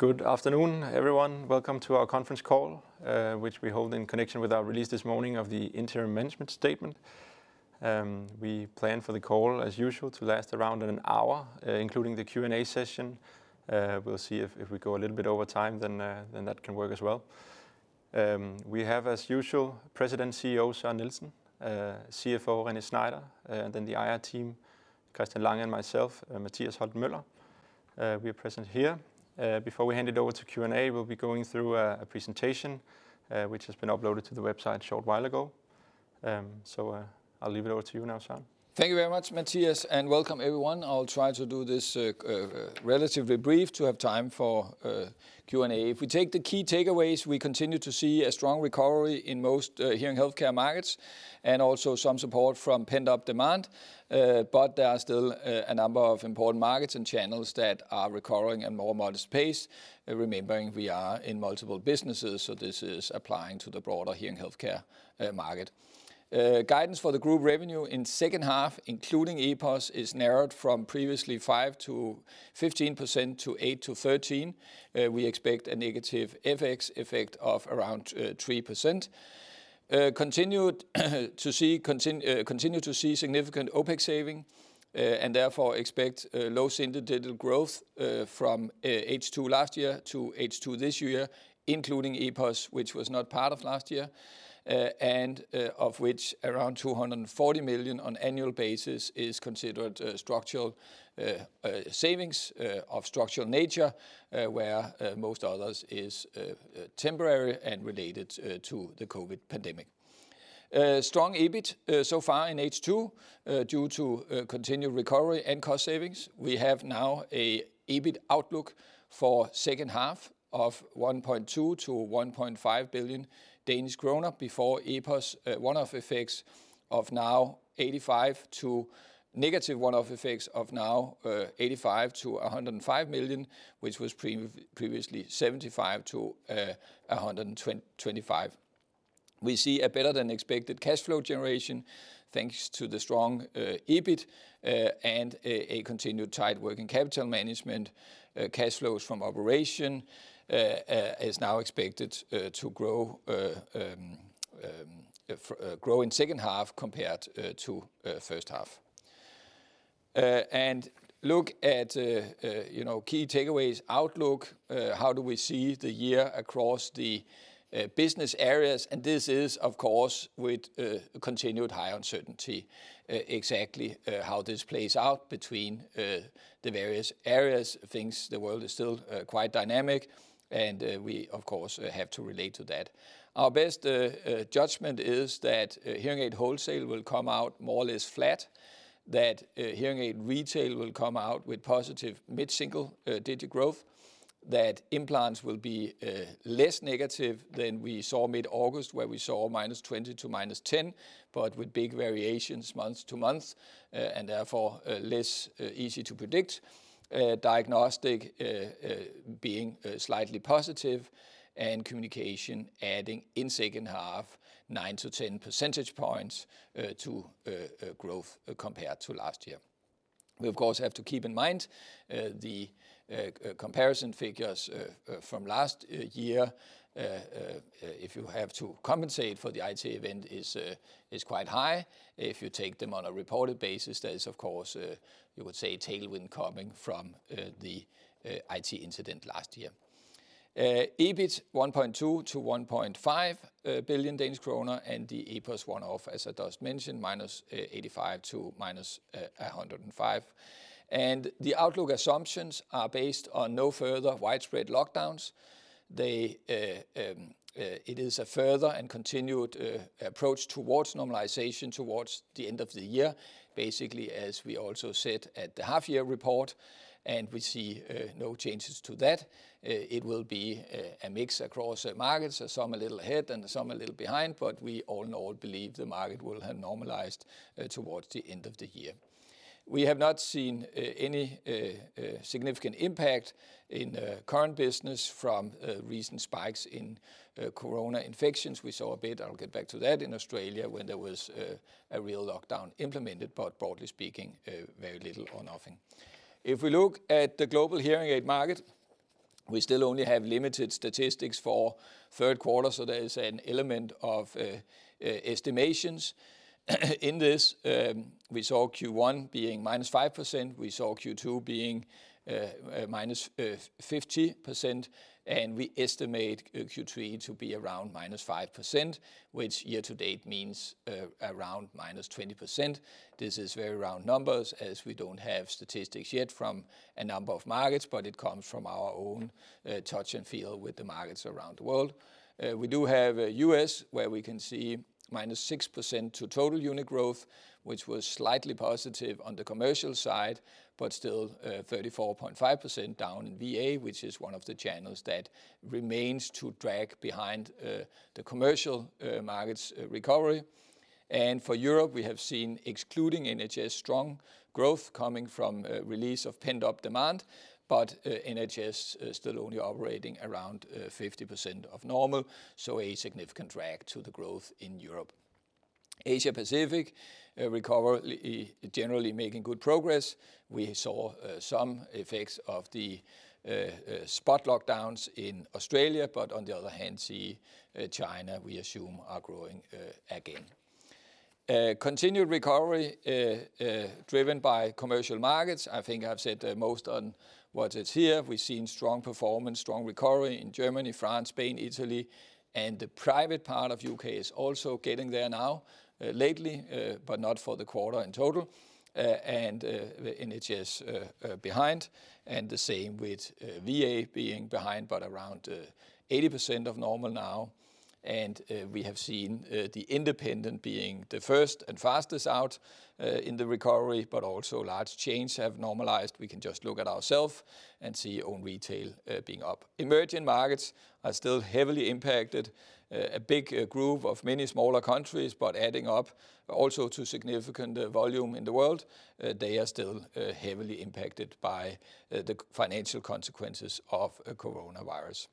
Good afternoon, everyone. Welcome to our conference call, which we hold in connection with our release this morning of the interim management statement. We plan for the call, as usual, to last around one hour, including the Q&A session. We'll see if we go a little bit over time, then that can work as well. We have, as usual, President CEO, Søren Nielsen, CFO, René Schneider, and then the IR team, Christian Lange, and myself, Mathias Holten Møller. We are present here. Before we hand it over to Q&A, we'll be going through a presentation which has been uploaded to the website a short while ago. I'll leave it over to you now, Søren. Thank you very much, Mathias, and welcome everyone. I'll try to do this relatively brief to have time for Q&A. If we take the key takeaways, we continue to see a strong recovery in most hearing healthcare markets and also some support from pent-up demand. There are still a number of important markets and channels that are recovering at a more modest pace. Remembering we are in multiple businesses, this is applying to the broader hearing healthcare market. Guidance for the group revenue in second half, including EPOS, is narrowed from previously 5%-15% to 8%-13%. We expect a negative FX effect of around 3%. Continue to see significant OpEx savings, therefore expect low single-digit growth from H2 last year to H2 this year, including EPOS, which was not part of last year, and of which around 240 million on annual basis is considered structural savings of structural nature, where most others is temporary and related to the COVID pandemic. Strong EBIT so far in H2 due to continued recovery and cost savings. We have now an EBIT outlook for second half of 1.2 billion-1.5 billion Danish kroner, before EPOS one-off effects of now -85 million tp DKK-105 million, which was previously 75 million-125 million. We see a better-than-expected cash flow generation thanks to the strong EBIT and a continued tight working capital management. Cash flows from operations is now expected to grow in second half compared to first half. Look at key takeaways outlook. How do we see the year across the business areas? This is, of course, with continued high uncertainty exactly how this plays out between the various areas. Things, the world is still quite dynamic, and we, of course, have to relate to that. Our best judgment is that hearing aid wholesale will come out more or less flat, that hearing aid retail will come out with positive mid-single-digit growth, that implants will be less negative than we saw mid-August, where we saw -20% to -10%, but with big variations month to month, and therefore less easy to predict. Diagnostic being slightly positive, and communication adding, in second half, nine to 10 percentage points to growth compared to last year. We, of course, have to keep in mind the comparison figures from last year. If you have to compensate for the FX event is quite high. If you take them on a reported basis, there is, of course, you would say, tailwind coming from the IT incident last year. EBIT, 1.2-1.5 billion Danish kroner, and the EPOS one-off, as I just mentioned, -85 million to -105 million. The outlook assumptions are based on no further widespread lockdowns. It is a further and continued approach towards normalization towards the end of the year. Basically, as we also said at the half-year report, and we see no changes to that. It will be a mix across markets, some a little ahead and some a little behind, but we all in all believe the market will have normalized towards the end of the year. We have not seen any significant impact in current business from recent spikes in corona infections. We saw a bit, I'll get back to that, in Australia when there was a real lockdown implemented, but broadly speaking, very little or nothing. If we look at the global hearing aid market, we still only have limited statistics for third quarter, so there is an element of estimations in this. We saw Q1 being -5%, we saw Q2 being -50%, and we estimate Q3 to be around -5%, which year-to-date means around -20%. This is very round numbers as we don't have statistics yet from a number of markets, but it comes from our own touch and feel with the markets around the world. We do have U.S., where we can see minus 6% to total unit growth, which was slightly positive on the commercial side, but still 34.5% down in VA, which is one of the channels that remains to drag behind the commercial market's recovery. For Europe, we have seen, excluding NHS, strong growth coming from release of pent-up demand, but NHS still only operating around 50% of normal, so a significant drag to the growth in Europe. Asia Pacific recovery generally making good progress. We saw some effects of the spot lockdowns in Australia. On the other hand, see China, we assume, are growing again. Continued recovery driven by commercial markets. I think I've said most on what it's here. We've seen strong performance, strong recovery in Germany, France, Spain, Italy. The private part of U.K. is also getting there now lately, but not for the quarter in total. The NHS behind, the same with VA being behind, but around 80% of normal now. We have seen the independent being the first and fastest out in the recovery, but also large chains have normalized. We can just look at ourself and see own retail being up. Emerging markets are still heavily impacted. A big group of many smaller countries, but adding up also to significant volume in the world. They are still heavily impacted by the financial consequences of coronavirus.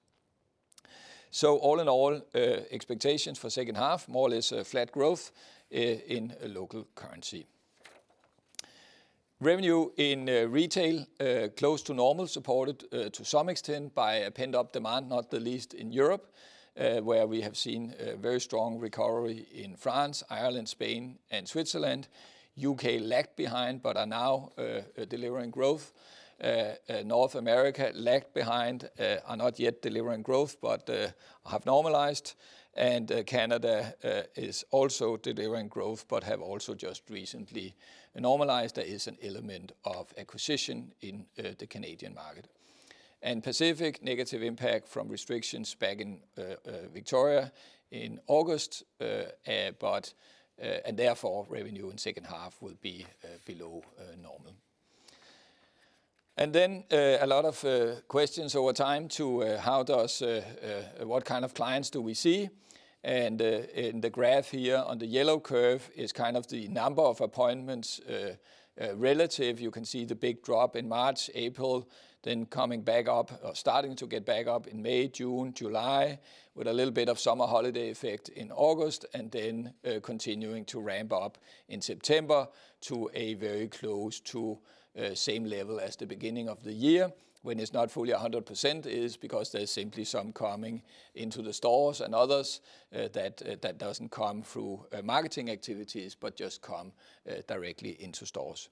All in all, expectations for second half, more or less flat growth in local currency. Revenue in retail close to normal, supported to some extent by a pent-up demand, not the least in Europe, where we have seen a very strong recovery in France, Ireland, Spain, and Switzerland. U.K. lagged behind, but are now delivering growth. North America lagged behind, are not yet delivering growth, but have normalized. Canada is also delivering growth but have also just recently normalized. There is an element of acquisition in the Canadian market. Pacific, negative impact from restrictions back in Victoria in August, and therefore revenue in second half will be below normal. A lot of questions over time to what kind of clients do we see? In the graph here on the yellow curve is kind of the number of appointments relative. You can see the big drop in March, April, then coming back up or starting to get back up in May, June, July, with a little bit of summer holiday effect in August, and then continuing to ramp up in September to a very close to same level as the beginning of the year. When it's not fully 100%, it is because there's simply some coming into the stores and others that doesn't come through marketing activities but just come directly into stores.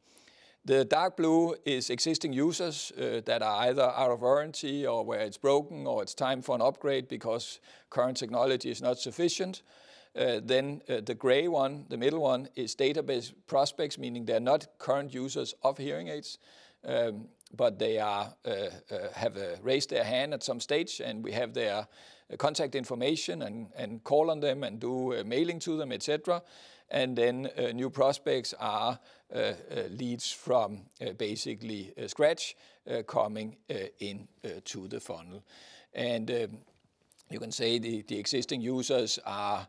The dark blue is existing users that are either out of warranty or where it's broken, or it's time for an upgrade because current technology is not sufficient. The gray one, the middle one, is database prospects, meaning they're not current users of hearing aids, but they have raised their hand at some stage, and we have their contact information and call on them and do a mailing to them, et cetera. New prospects are leads from basically scratch coming into the funnel. You can say the existing users are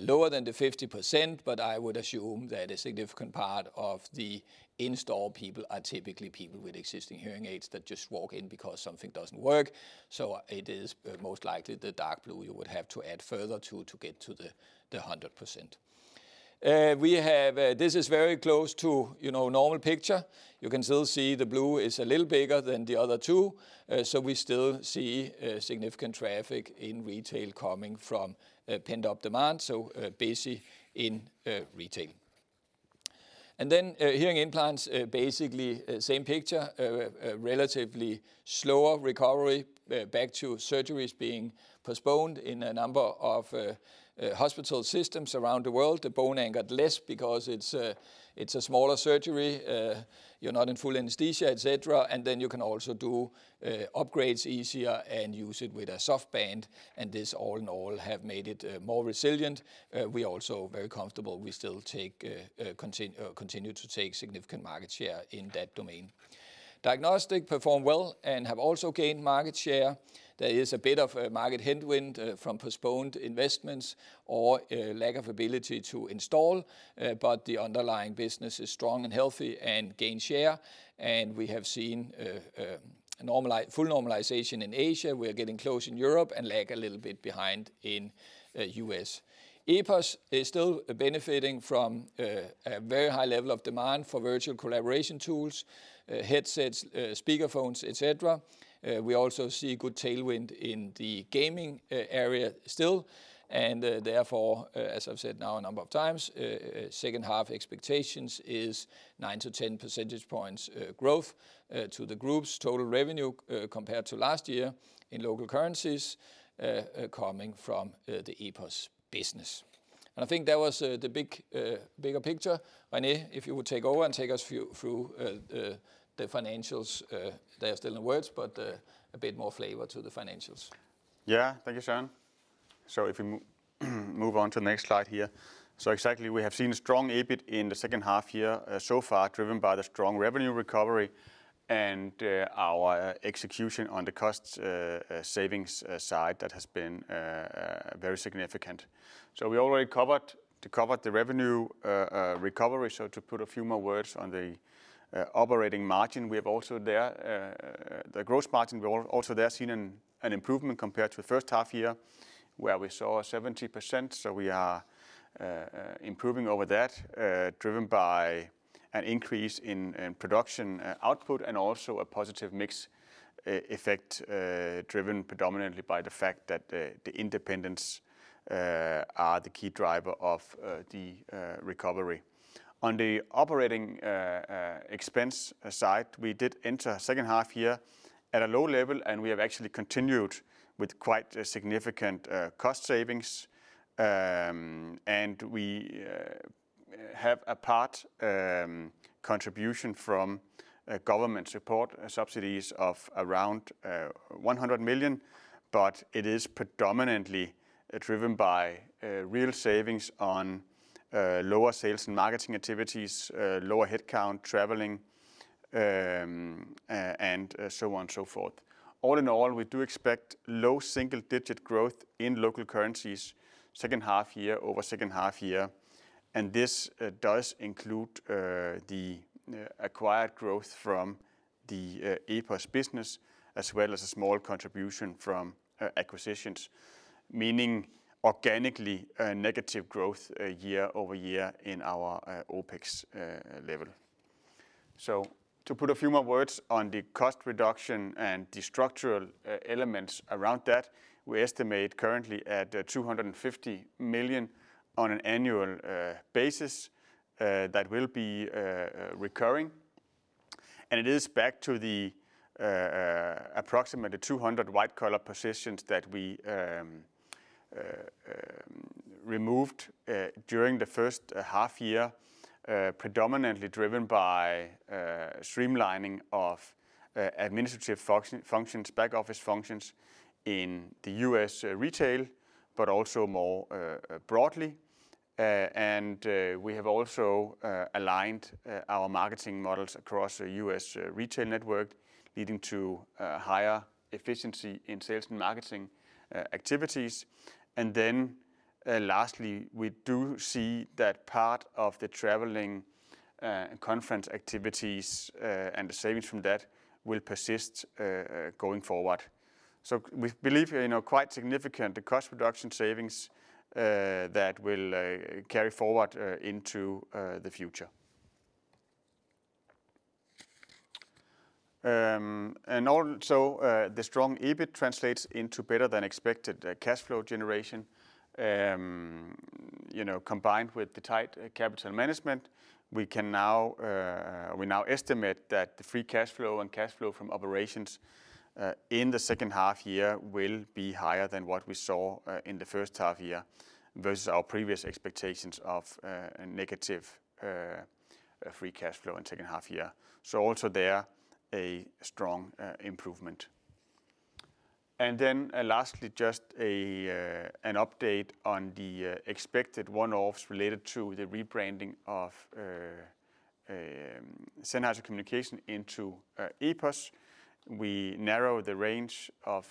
lower than the 50%, but I would assume that a significant part of the in-store people are typically people with existing hearing aids that just walk in because something doesn't work. It is most likely the dark blue you would have to add further to get to the 100%. This is very close to normal picture. You can still see the blue is a little bigger than the other two, so we still see significant traffic in retail coming from pent-up demand, so busy in retail. Then hearing implants, basically same picture, a relatively slower recovery back to surgeries being postponed in a number of hospital systems around the world. The bone-anchored less because it's a smaller surgery. You're not in full anesthesia, et cetera, and then you can also do upgrades easier and use it with a soft band, and this all in all have made it more resilient. We are also very comfortable. We still continue to take significant market share in that domain. Diagnostic perform well and have also gained market share. There is a bit of a market headwind from postponed investments or a lack of ability to install, but the underlying business is strong and healthy and gain share, and we have seen full normalization in Asia. We are getting close in Europe and lag a little bit behind in U.S. EPOS is still benefiting from a very high level of demand for virtual collaboration tools, headsets, speakerphones, et cetera. We also see good tailwind in the gaming area still, therefore, as I've said now a number of times, second-half expectations is nine to 10 percentage points growth to the group's total revenue compared to last year in local currencies coming from the EPOS business. I think that was the bigger picture. René, if you would take over and take us through the financials. They are still in words, but a bit more flavor to the financials. Thank you, Søren. If we move on to the next slide here. Exactly, we have seen a strong EBIT in the second half year so far, driven by the strong revenue recovery and our execution on the cost savings side. That has been very significant. We already covered the revenue recovery. To put a few more words on the operating margin, the gross margin, we have also there seen an improvement compared to the first half year, where we saw 70%. We are improving over that, driven by an increase in production output and also a positive mix effect driven predominantly by the fact that the independents are the key driver of the recovery. On the operating expense side, we did enter second half year at a low level, and we have actually continued with quite significant cost savings. We have a part contribution from government support subsidies of around 100 million, but it is predominantly driven by real savings on lower sales and marketing activities, lower headcount, traveling, and so on and so forth. All in all, we do expect low single-digit growth in local currencies second half year-over-second half year. This does include the acquired growth from the EPOS business as well as a small contribution from acquisitions, meaning organically negative growth year-over-year in our OpEx level. To put a few more words on the cost reduction and the structural elements around that. We estimate currently at 250 million on an annual basis that will be recurring, and it is back to the approximately 200 white-collar positions that we removed during the first half year. Predominantly driven by streamlining of administrative functions, back-office functions in the U.S. retail, but also more broadly. We have also aligned our marketing models across the U.S. retail network, leading to higher efficiency in sales and marketing activities. Lastly, we do see that part of the traveling conference activities, and the savings from that, will persist going forward. We believe quite significant the cost reduction savings that will carry forward into the future. The strong EBIT translates into better-than-expected cash flow generation. Combined with the tight capital management, we now estimate that the free cash flow and cash flow from operations in the second half-year will be higher than what we saw in the first half-year versus our previous expectations of a negative free cash flow in the second half-year. Also there, a strong improvement. Lastly, just an update on the expected one-offs related to the rebranding of Sennheiser Communications into EPOS. We narrow the range of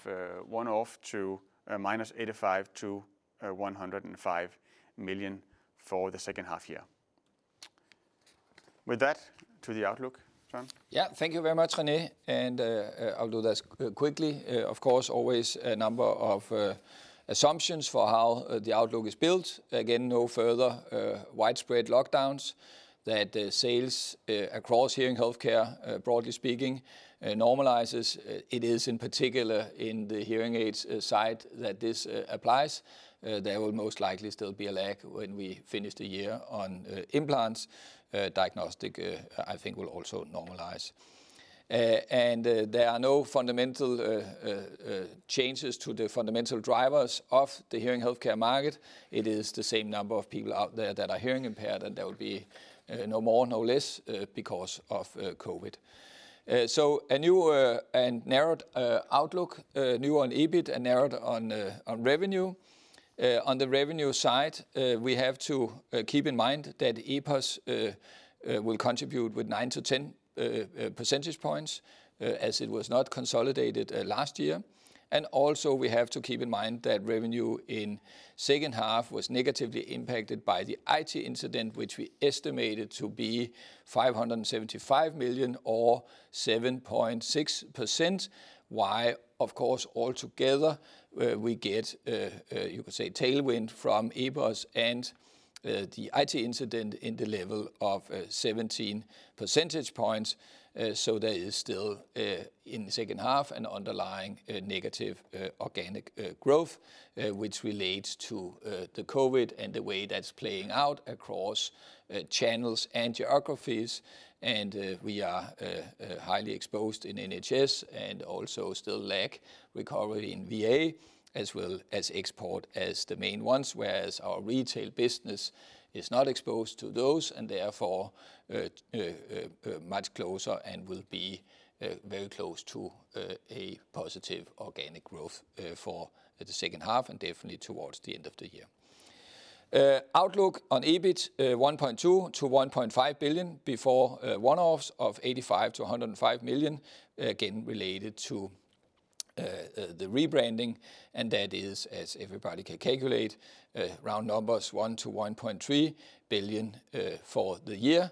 one-off to a DKK-85 million to DKK-105 million for the second half-year. With that to the outlook, Søren. Yeah. Thank you very much, René. I'll do this quickly. Of course, always a number of assumptions for how the outlook is built. Again, no further widespread lockdowns, that sales across hearing healthcare, broadly speaking, normalizes. It is in particular in the hearing aids side that this applies. There will most likely still be a lag when we finish the year on implants. Diagnostic, I think will also normalize. There are no fundamental changes to the fundamental drivers of the hearing healthcare market. It is the same number of people out there that are hearing-impaired, and there will be no more, no less because of COVID. A new and narrowed outlook. New on EBIT and narrowed on revenue. On the revenue side, we have to keep in mind that EPOS will contribute with nine to 10 percentage points as it was not consolidated last year. Also, we have to keep in mind that revenue in second half was negatively impacted by the IT incident, which we estimated to be 575 million or 7.6%. Of course, altogether we get, you could say, tailwind from EPOS and the IT incident in the level of 17 percentage points. There is still, in the second half, an underlying negative organic growth, which relates to the COVID and the way that's playing out across channels and geographies. We are highly exposed in NHS and also still lack recovery in VA as well as export as the main ones, whereas our retail business is not exposed to those and therefore much closer and will be very close to a positive organic growth for the second half and definitely towards the end of the year. Outlook on EBIT, 1.2 billion-1.5 billion before one-offs of 85 million-105 million, again, related to the rebranding. That is, as everybody can calculate, round numbers 1 billion-1.3 billion for the year.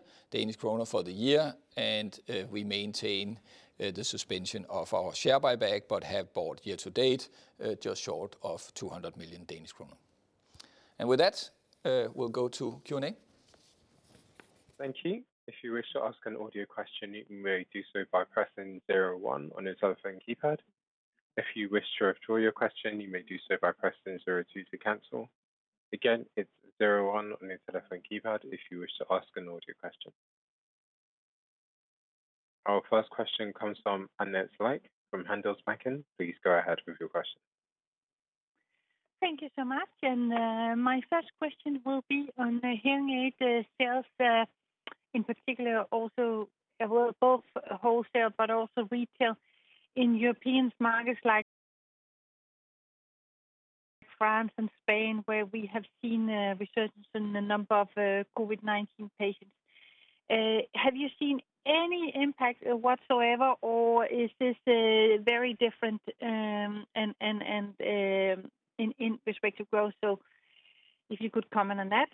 We maintain the suspension of our share buyback but have bought year to date just short of 200 million Danish kroner. With that, we will go to Q&A. Thank you. If you wish to ask an audio question, you may do so by pressing zero one on your telephone keypad. If you wish to return to your question, you may do so by pressing zero two to cancel. Again, it's zero one on your telephone keypad if you wish to ask an audio question. Our first question comes from Annette Zwick from Handelsbanken. Please go ahead with your question. Thank you so much. My first question will be on the hearing aid sales, in particular also both wholesale but also retail in European markets like France and Spain, where we have seen a resurgence in the number of COVID-19 patients. Have you seen any impact whatsoever, or is this very different in respective growth? If you could comment on that.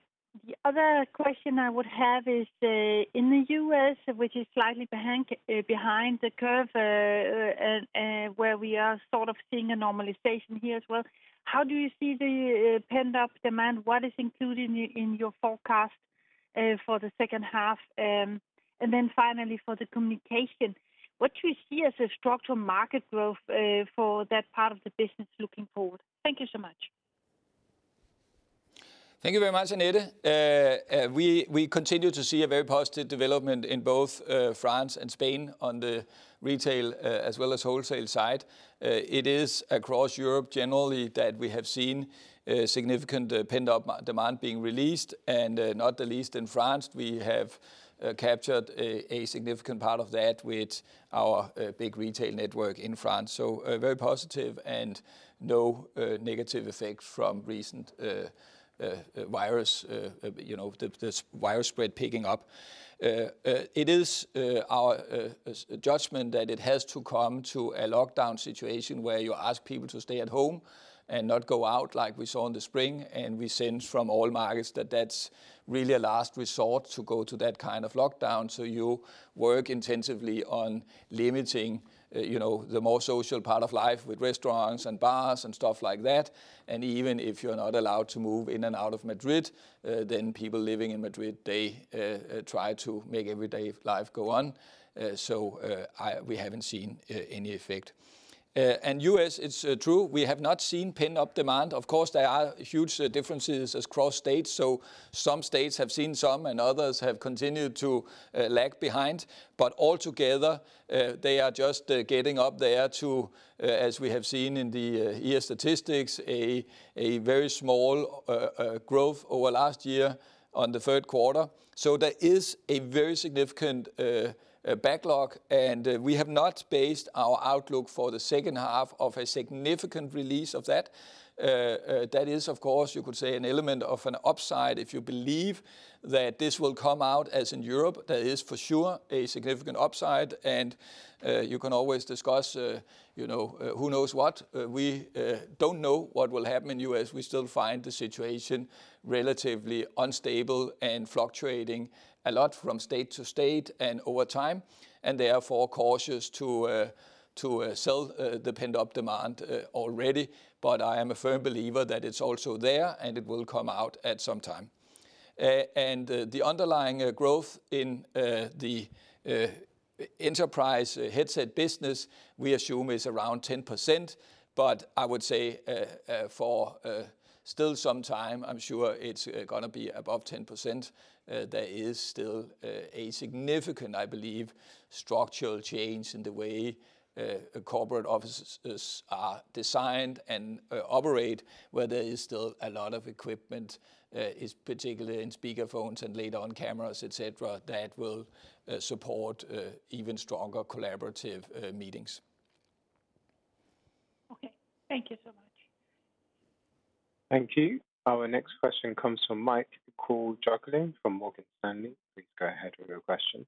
The other question I would have is, in the U.S., which is slightly behind the curve, where we are sort of seeing a normalization here as well, how do you see the pent-up demand? What is included in your forecast for the second half? Finally, for the communication, what do you see as a structural market growth for that part of the business looking forward? Thank you so much. Thank you very much, Annette. We continue to see a very positive development in both France and Spain on the retail as well as wholesale side. It is across Europe generally that we have seen significant pent-up demand being released, and not the least in France. We have captured a significant part of that with our big retail network in France. Very positive and no negative effect from recent virus spread picking up. It is our judgment that it has to come to a lockdown situation where you ask people to stay at home and not go out, like we saw in the spring, and we sense from all markets that that's really a last resort to go to that kind of lockdown. You work intensively on limiting the more social part of life with restaurants and bars and stuff like that. Even if you're not allowed to move in and out of Madrid, people living in Madrid, they try to make everyday life go on. We haven't seen any effect. U.S., it's true, we have not seen pent-up demand. Of course, there are huge differences across states, so some states have seen some, and others have continued to lag behind. Altogether, they are just getting up there to, as we have seen in the year statistics, a very small growth over last year on the third quarter. There is a very significant backlog, and we have not based our outlook for the second half of a significant release of that. That is, of course, you could say, an element of an upside if you believe that this will come out as in Europe. There is, for sure, a significant upside, and you can always discuss who knows what. We don't know what will happen in U.S. We still find the situation relatively unstable and fluctuating a lot from state to state and over time, and therefore cautious to sell the pent-up demand already. I am a firm believer that it's also there, and it will come out at some time. The underlying growth in the enterprise headset business we assume is around 10%, but I would say for still some time, I'm sure it's going to be above 10%. There is still a significant, I believe, structural change in the way corporate offices are designed and operate, where there is still a lot of equipment, particularly in speakerphones and later on cameras, et cetera, that will support even stronger collaborative meetings. Okay. Thank you so much. Thank you. Our next question comes from Michael Jüngling from Morgan Stanley. Please go ahead with your question.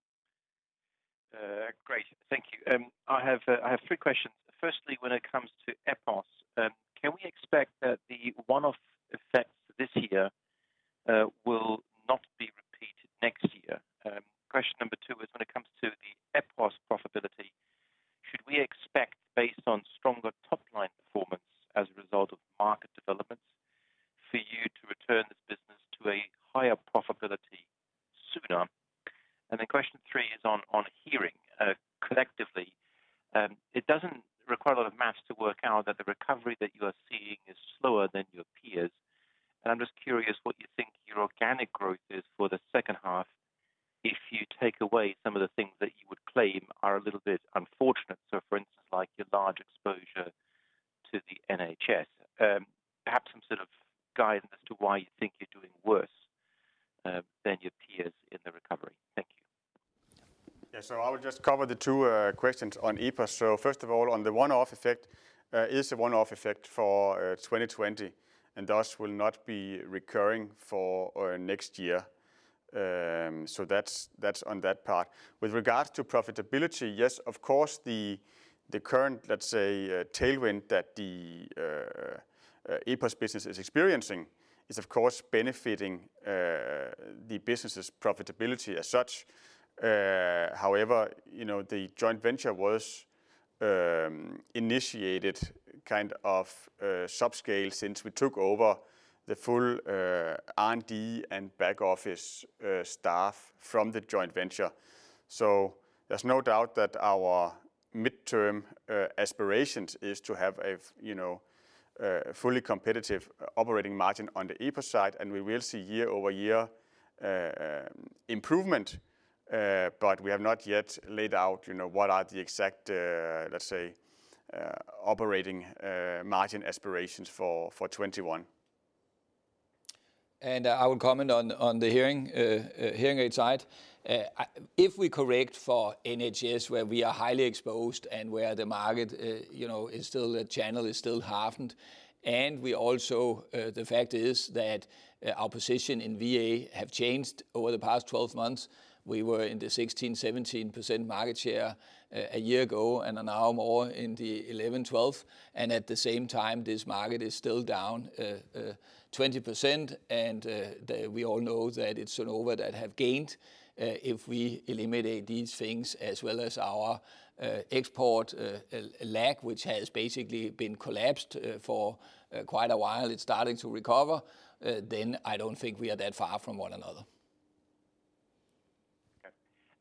Great. Thank you. I have three questions. Firstly, when it comes to EPOS, can we expect that the one-off effects this year will not be repeated next year? Question number two is when it comes to the EPOS profitability, should we expect, based on stronger top-line performance as a result of market developments, for you to return this business to a higher profitability sooner? Question three is on hearing. Collectively, it doesn't require a lot of math to work out that the recovery that you are seeing is slower than your peers. I'm just curious what you think your organic growth is for the second half if you take away some of the things that you would claim are a little bit unfortunate. For instance, like your large exposure to the NHS. Perhaps some sort of guidance as to why you think you're doing worse than your peers in the recovery. Thank you. I will just cover the two questions on EPOS. First of all, on the one-off effect, it's a one-off effect for 2020 and thus will not be recurring for next year. That's on that part. With regards to profitability, yes, of course, the current, let's say, tailwind that the EPOS business is experiencing is, of course, benefiting the business's profitability as such. However, the joint venture was initiated subscale since we took over the full R&D and back office staff from the joint venture. There's no doubt that our mid-term aspiration is to have a fully competitive operating margin on the EPOS side. We will see year-over-year improvement, but we have not yet laid out what are the exact, let's say, operating margin aspirations for 2021. I will comment on the hearing aids side. If we correct for NHS, where we are highly exposed and where the market is still the channel is still halved. The fact is that our position in VA have changed over the past 12 months. We were in the 16%-17% market share a year ago, and are now more in the 11%-12%. At the same time, this market is still down 20%. We all know that it's Sonova that have gained. If we eliminate these things as well as our export lag, which has basically been collapsed for quite a while, it's starting to recover, then I don't think we are that far from one another.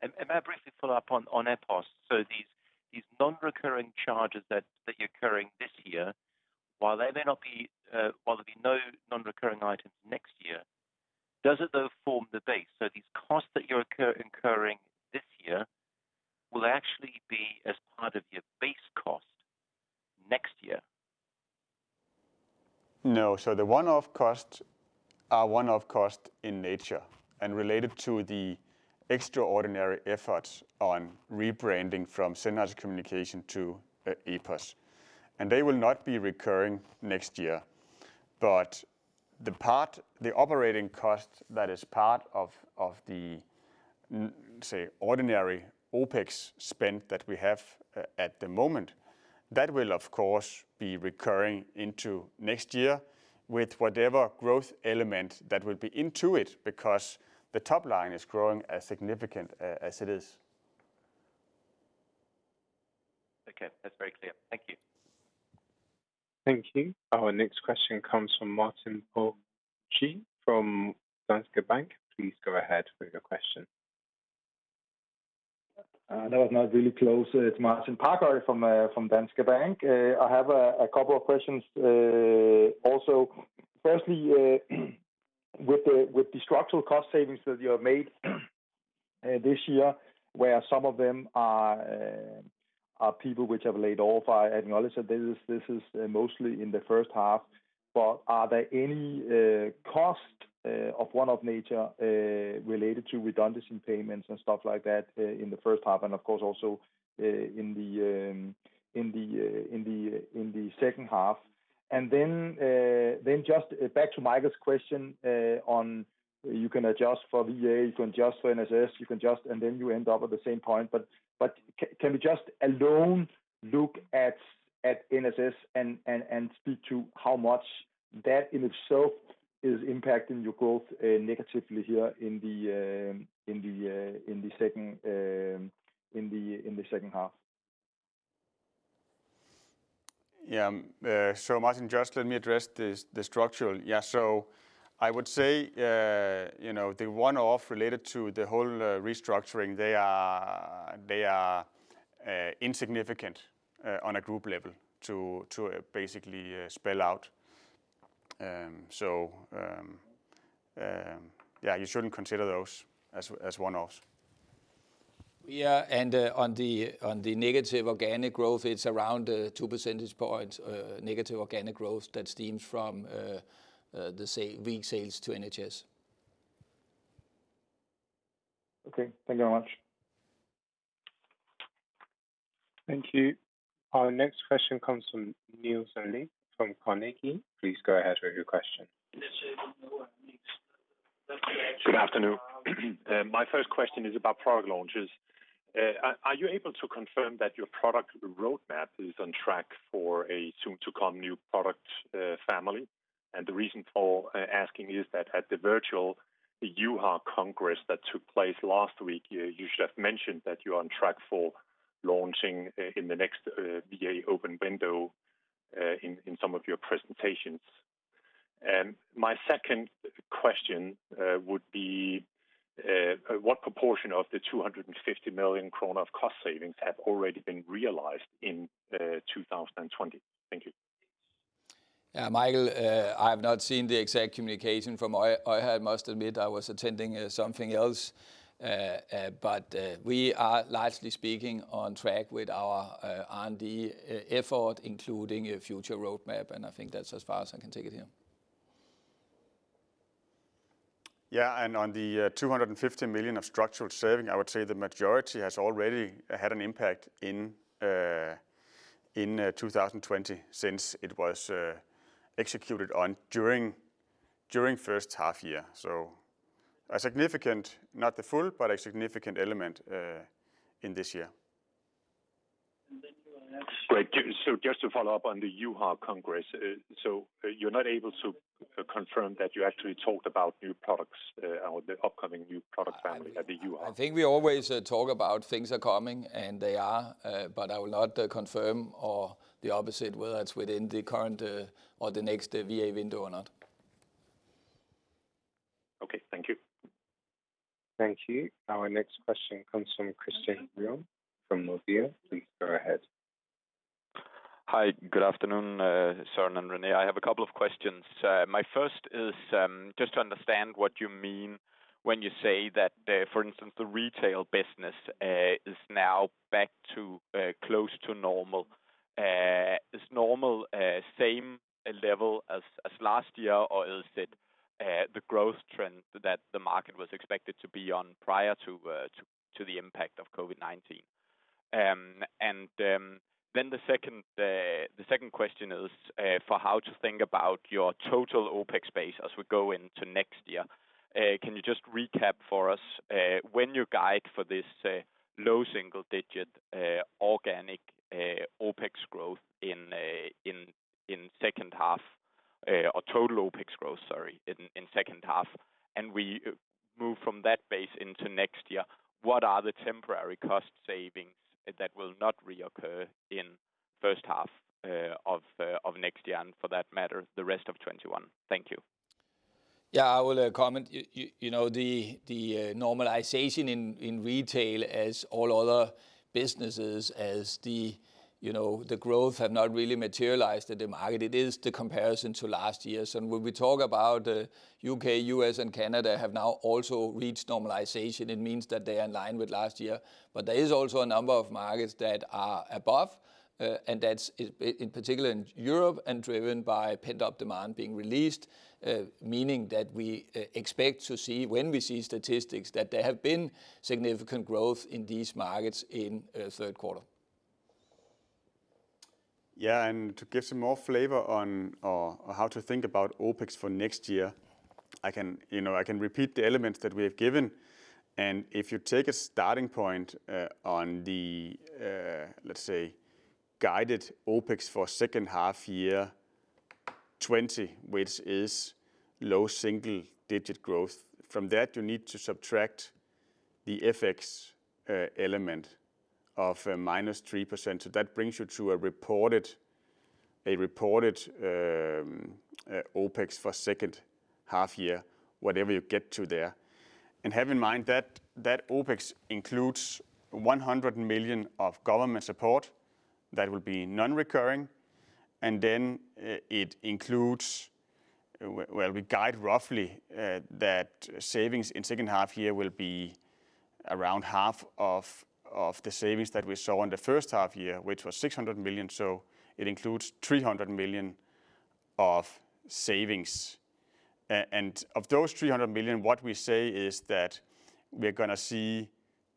Okay. May I briefly follow up on EPOS? These non-recurring charges that you're occurring this year, while there may not be no non-recurring items next year, does it, though, form the base? These costs that you're incurring this year will actually be as part of your base cost next year? No. The one-off costs are one-off cost in nature and related to the extraordinary efforts on rebranding from Sennheiser Communications to EPOS. They will not be recurring next year. The operating cost that is part of the, say, ordinary OpEx spend that we have at the moment, that will, of course, be recurring into next year with whatever growth element that will be into it, because the top line is growing as significant as it is. Okay, that's very clear. Thank you. Thank you. Our next question comes from Martin Parkhøi from Danske Bank. Please go ahead with your question. That was not really close. It's Martin Parkhøi from Danske Bank. I have a couple of questions also. With the structural cost savings that you have made this year, where some of them are people which have laid off. I acknowledge that this is mostly in the first half. Are there any cost of one-off nature related to redundancy payments and stuff like that in the first half, and of course, also in the second half? Just back to Michael's question on you can adjust for VA, you can adjust for NHS, you can adjust, and then you end up at the same point. Can we just alone look at NHS and speak to how much that in itself is impacting your growth negatively here in the second half? Yeah. Martin, just let me address the structural. I would say the one-off related to the whole restructuring, they are insignificant on a group level to basically spell out. You shouldn't consider those as one-offs. Yeah. On the negative organic growth, it's around two percentage points negative organic growth that stems from the weak sales to NHS. Okay. Thank you very much. Thank you. Our next question comes from Niels Granholm-Leth from Carnegie. Please go ahead with your question. Good afternoon. My first question is about product launches. Are you able to confirm that your product roadmap is on track for a soon to come new product family? The reason for asking is that at the virtual EUHA Congress that took place last week, you should have mentioned that you are on track for launching in the next VA open window in some of your presentations. My second question would be, what proportion of the 250 million krone of cost savings have already been realized in 2020? Thank you. Michael, I've not seen the exact communication from EUHA. I must admit I was attending something else. We are, largely speaking, on track with our R&D effort, including a future roadmap, and I think that's as far as I can take it here. Yeah. On the 250 million of structural saving, I would say the majority has already had an impact in 2020 since it was executed on during first half year. A significant, not the full, but a significant element in this year. And then your next- Great. Just to follow up on the EUHA Congress. You're not able to confirm that you actually talked about new products or the upcoming new product family at the EUHA? I think we always talk about things are coming, and they are, but I will not confirm or the opposite, whether it's within the current or the next VA window or not. Okay. Thank you. Thank you. Our next question comes from Christian Blume from Nordea. Please go ahead. Hi. Good afternoon, Søren and René. I have a couple of questions. My first is just to understand what you mean when you say that, for instance, the retail business is now back to close to normal. Is normal same level as last year, or is it the growth trend that the market was expected to be on prior to the impact of COVID-19? The second question is for how to think about your total OpEx base as we go into next year. Can you just recap for us when you guide for this low single-digit organic OpEx growth in second half, or total OpEx growth, sorry, in second half, and we move from that base into next year, what are the temporary cost savings that will not reoccur in first half of next year, and for that matter, the rest of 2021? Thank you. Yeah, I will comment. The normalization in retail as all other businesses, as the growth have not really materialized at the market. It is the comparison to last year. When we talk about U.K., U.S., and Canada have now also reached normalization, it means that they are in line with last year. There is also a number of markets that are above, and that's in particular in Europe, and driven by pent-up demand being released, meaning that we expect to see, when we see statistics, that there have been significant growth in these markets in third quarter. Yeah, to give some more flavor on how to think about OpEx for next year, I can repeat the elements that we have given. If you take a starting point on the, let's say, guided OpEx for second half year 2020, which is low single-digit growth. From that, you need to subtract the FX element of -3%. That brings you to a reported OpEx for second half year, whatever you get to there. Have in mind that that OpEx includes 100 million of government support that will be non-recurring, then it includes, well, we guide roughly that savings in second half year will be around half of the savings that we saw in the first half year, which was 600 million. It includes 300 million of savings. Of those 300 million, what we say is that we're going to see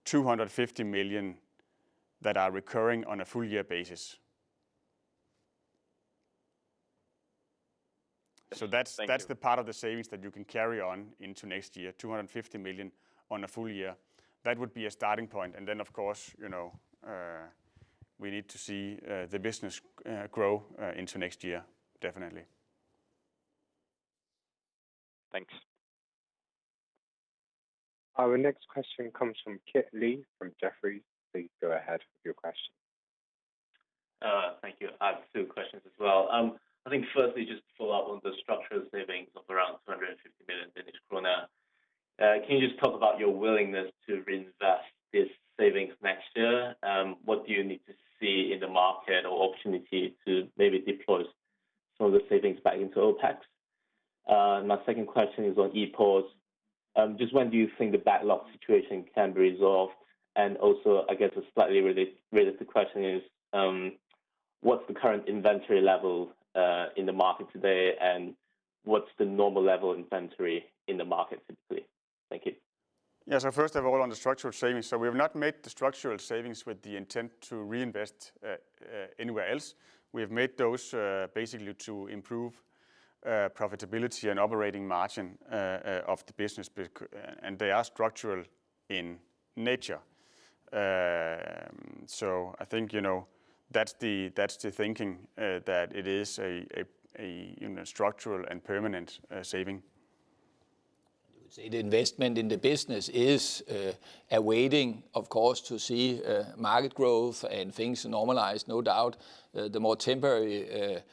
250 million that are recurring on a full-year basis. That's. Thank you. That's the part of the savings that you can carry on into next year, 250 million on a full year. That would be a starting point. Of course, we need to see the business grow into next year, definitely. Thanks. Our next question comes from Kit Lee from Jefferies. Please go ahead with your question. Thank you. I have two questions as well. I think firstly, just to follow up on the structural savings of around 250 million Danish krone. Can you just talk about your willingness to reinvest this savings next year? What do you need to see in the market or opportunity to maybe deploy some of the savings back into OpEx? My second question is on EPOS. Just when do you think the backlog situation can be resolved? I guess a slightly related question is, what's the current inventory level in the market today, and what's the normal level inventory in the market typically? Thank you. Yeah. First of all, on the structural savings. We have not made the structural savings with the intent to reinvest anywhere else. We have made those basically to improve profitability and operating margin of the business, and they are structural in nature. I think that's the thinking, that it is a structural and permanent saving. I would say the investment in the business is awaiting, of course, to see market growth and things normalize, no doubt. The more temporary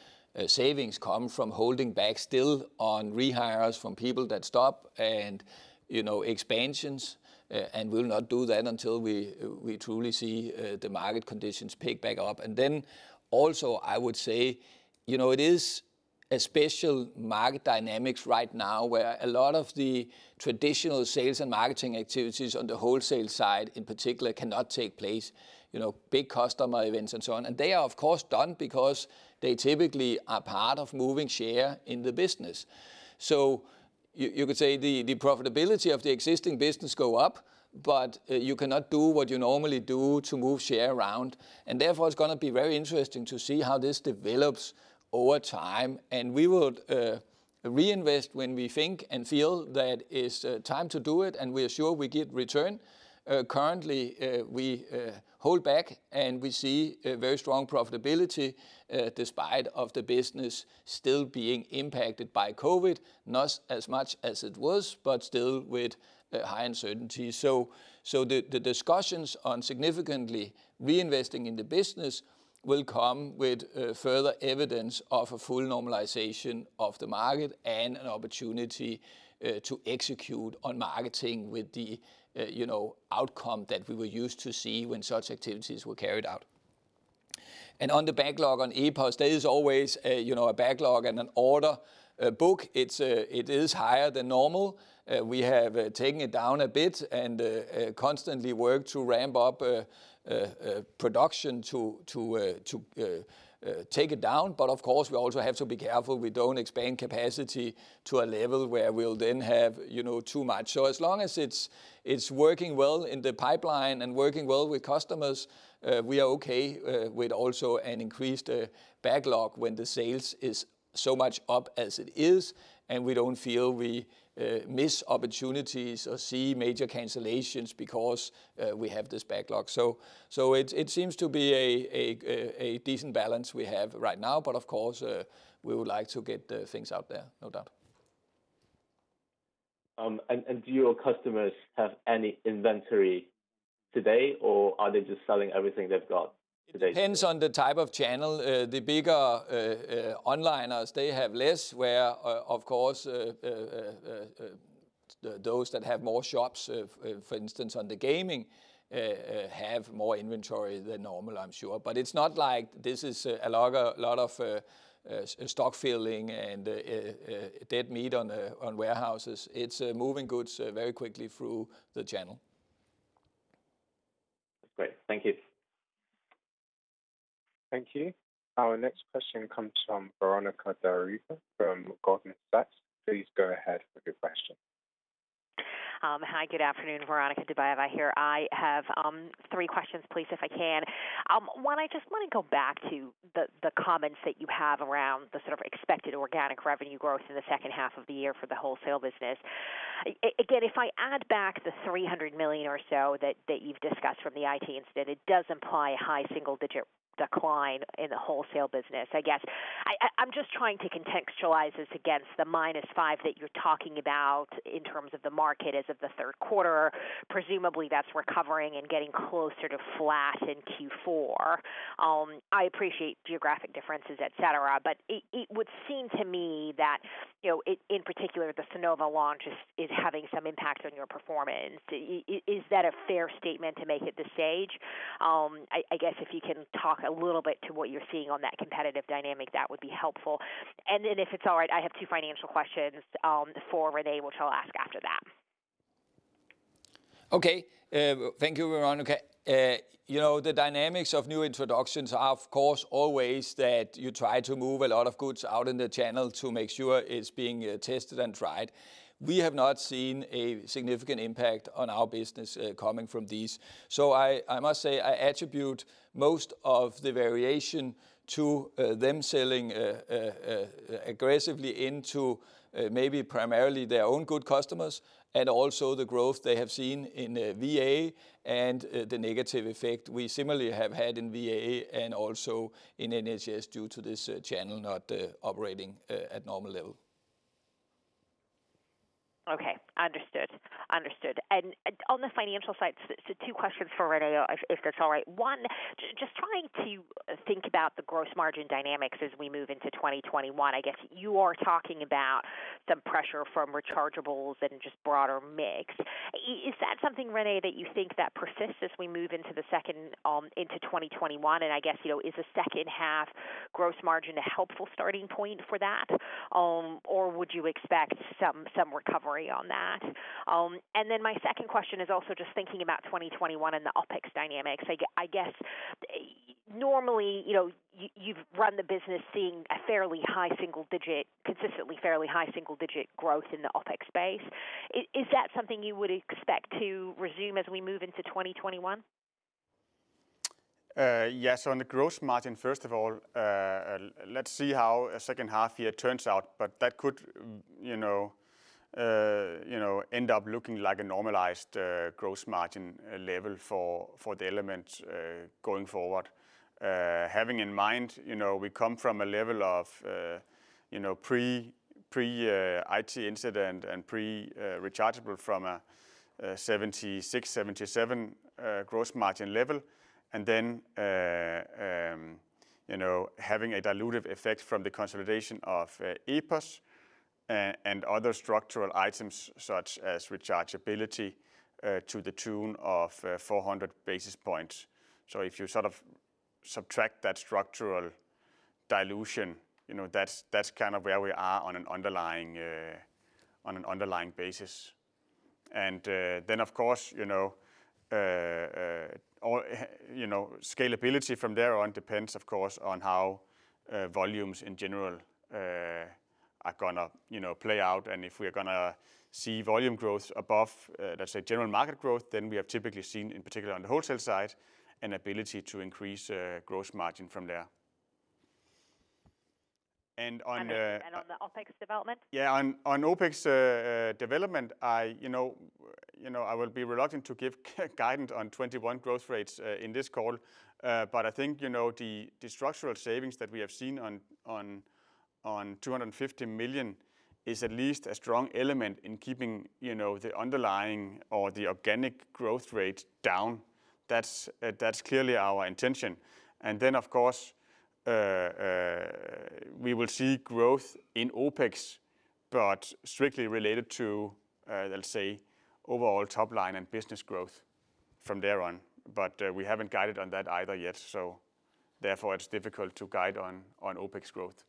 savings come from holding back still on rehires from people that stop and expansions, and we'll not do that until we truly see the market conditions pick back up. Then also I would say, it is a special market dynamics right now where a lot of the traditional sales and marketing activities on the wholesale side, in particular, cannot take place, big customer events and so on. They are, of course, done because they typically are part of moving share in the business. You could say the profitability of the existing business go up. You cannot do what you normally do to move share around. Therefore, it's going to be very interesting to see how this develops over time. We would reinvest when we think and feel that it's time to do it, and we are sure we get return. Currently, we hold back, and we see very strong profitability despite the business still being impacted by COVID. Not as much as it was, but still with high uncertainty. The discussions on significantly reinvesting in the business will come with further evidence of a full normalization of the market and an opportunity to execute on marketing with the outcome that we were used to seeing when such activities were carried out. On the backlog on EPOS, there is always a backlog and an order book. It is higher than normal. We have taken it down a bit and constantly work to ramp up production to take it down. Of course, we also have to be careful we don't expand capacity to a level where we'll then have too much. As long as it's working well in the pipeline and working well with customers, we are okay with also an increased backlog when the sales is so much up as it is, and we don't feel we miss opportunities or see major cancellations because we have this backlog. It seems to be a decent balance we have right now. Of course, we would like to get things out there, no doubt. Do your customers have any inventory today, or are they just selling everything they've got today? It depends on the type of channel. The bigger onliners, they have less, where, of course, those that have more shops, for instance, on the Gaming, have more inventory than normal, I'm sure. It's not like this is a lot of stock filling and dead meat on warehouses. It's moving goods very quickly through the channel. Great. Thank you. Thank you. Our next question comes from Veronika Dubajova from Goldman Sachs. Please go ahead with your question. Hi, good afternoon, Veronika Dubajova here. I have three questions, please, if I can. One, I just want to go back to the comments that you have around the sort of expected organic revenue growth in the second half of the year for the wholesale business. If I add back the 300 million or so that you've discussed from the IT incident, it does imply high single-digit decline in the wholesale business, I guess. I'm just trying to contextualize this against the -5% that you're talking about in terms of the market as of the third quarter. Presumably, that's recovering and getting closer to flat in Q4. I appreciate geographic differences, et cetera, it would seem to me that, in particular, the Sonova launch is having some impact on your performance. Is that a fair statement to make at this stage? I guess if you can talk a little bit to what you're seeing on that competitive dynamic, that would be helpful. If it's all right, I have two financial questions for René, which I'll ask after that. Okay. Thank you, Veronika. The dynamics of new introductions are, of course, always that you try to move a lot of goods out in the channel to make sure it's being tested and tried. We have not seen a significant impact on our business coming from these. I must say, I attribute most of the variation to them selling aggressively into maybe primarily their own good customers, and also the growth they have seen in VA and the negative effect we similarly have had in VA and also in NHS due to this channel not operating at normal level. Okay. Understood. On the financial side, two questions for René, if that's all right. One, just trying to think about the gross margin dynamics as we move into 2021. I guess you are talking about some pressure from rechargeables and just broader mix. Is that something, René, that you think that persists as we move into 2021? I guess, is a second half gross margin a helpful starting point for that? Or would you expect some recovery on that? My second question is also just thinking about 2021 and the OpEx dynamics. I guess, normally, you've run the business seeing a fairly high single digit, consistently fairly high single digit growth in the OpEx space. Is that something you would expect to resume as we move into 2021? Yes. On the gross margin, first of all, let's see how second half year turns out, but that could end up looking like a normalized gross margin level for Demant going forward. Having in mind, we come from a level of pre-IT incident and pre-rechargeable from a 76%, 77% gross margin level, and then having a dilutive effect from the consolidation of EPOS and other structural items such as rechargeability to the tune of 400 basis points. If you sort of subtract that structural dilution, that's kind of where we are on an underlying basis. Then, of course, scalability from there on depends, of course, on how volumes in general are going to play out, and if we are going to see volume growth above, let's say, general market growth, then we have typically seen, in particular on the wholesale side, an ability to increase gross margin from there. On the OpEx development? Yeah. On OpEx development, I will be reluctant to give guidance on 2021 growth rates in this call. I think, the structural savings that we have seen on 250 million is at least a strong element in keeping the underlying or the organic growth rate down. That's clearly our intention. Of course, we will see growth in OpEx, but strictly related to, let's say, overall top line and business growth from there on. We haven't guided on that either yet, so therefore it's difficult to guide on OpEx growth.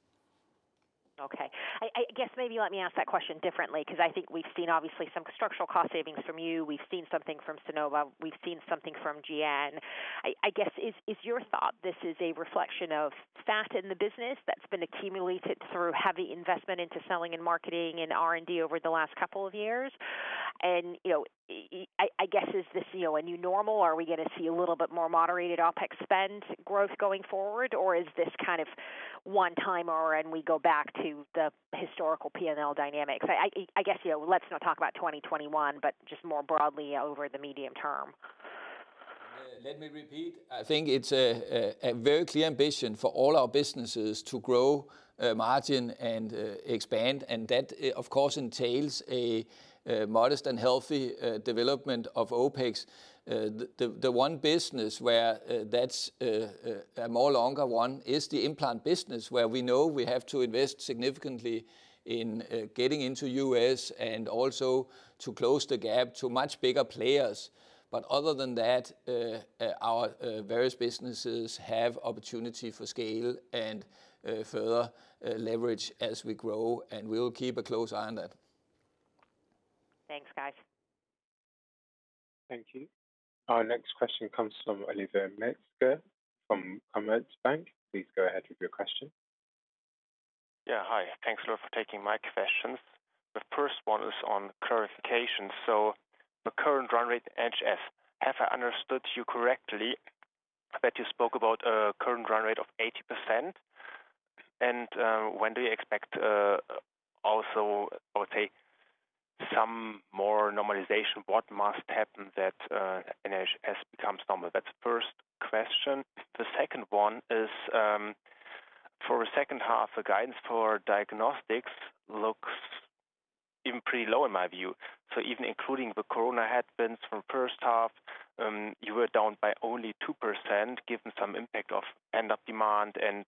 Okay. I guess maybe let me ask that question differently, because I think we've seen obviously some structural cost savings from you. We've seen something from Sonova. We've seen something from GN. I guess, is your thought this is a reflection of fat in the business that's been accumulated through heavy investment into selling and marketing and R&D over the last couple of years? I guess, is this a new normal? Are we going to see a little bit more moderated OpEx spend growth going forward, or is this kind of one-timer, and we go back to the historical P&L dynamics? I guess, let's not talk about 2021, but just more broadly over the medium term. Let me repeat. I think it's a very clear ambition for all our businesses to grow margin and expand, and that, of course, entails a modest and healthy development of OpEx. The one business where that's a more longer one is the implant business, where we know we have to invest significantly in getting into U.S., and also to close the gap to much bigger players. Other than that, our various businesses have opportunity for scale and further leverage as we grow, and we'll keep a close eye on that. Thanks, guys. Thank you. Our next question comes from Oliver Metzger from Commerzbank. Please go ahead with your question. Yeah. Hi. Thanks a lot for taking my questions. The first one is on clarification. The current run rate NHS, have I understood you correctly that you spoke about a current run rate of 80%? When do you expect also, I would say, some more normalization? What must happen that NHS becomes normal? That's the first question. The second one is, for the second half, the guidance for diagnostics looks even pretty low in my view. Even including the Corona headwinds from first half, you were down by only 2%, given some impact of pent-up demand and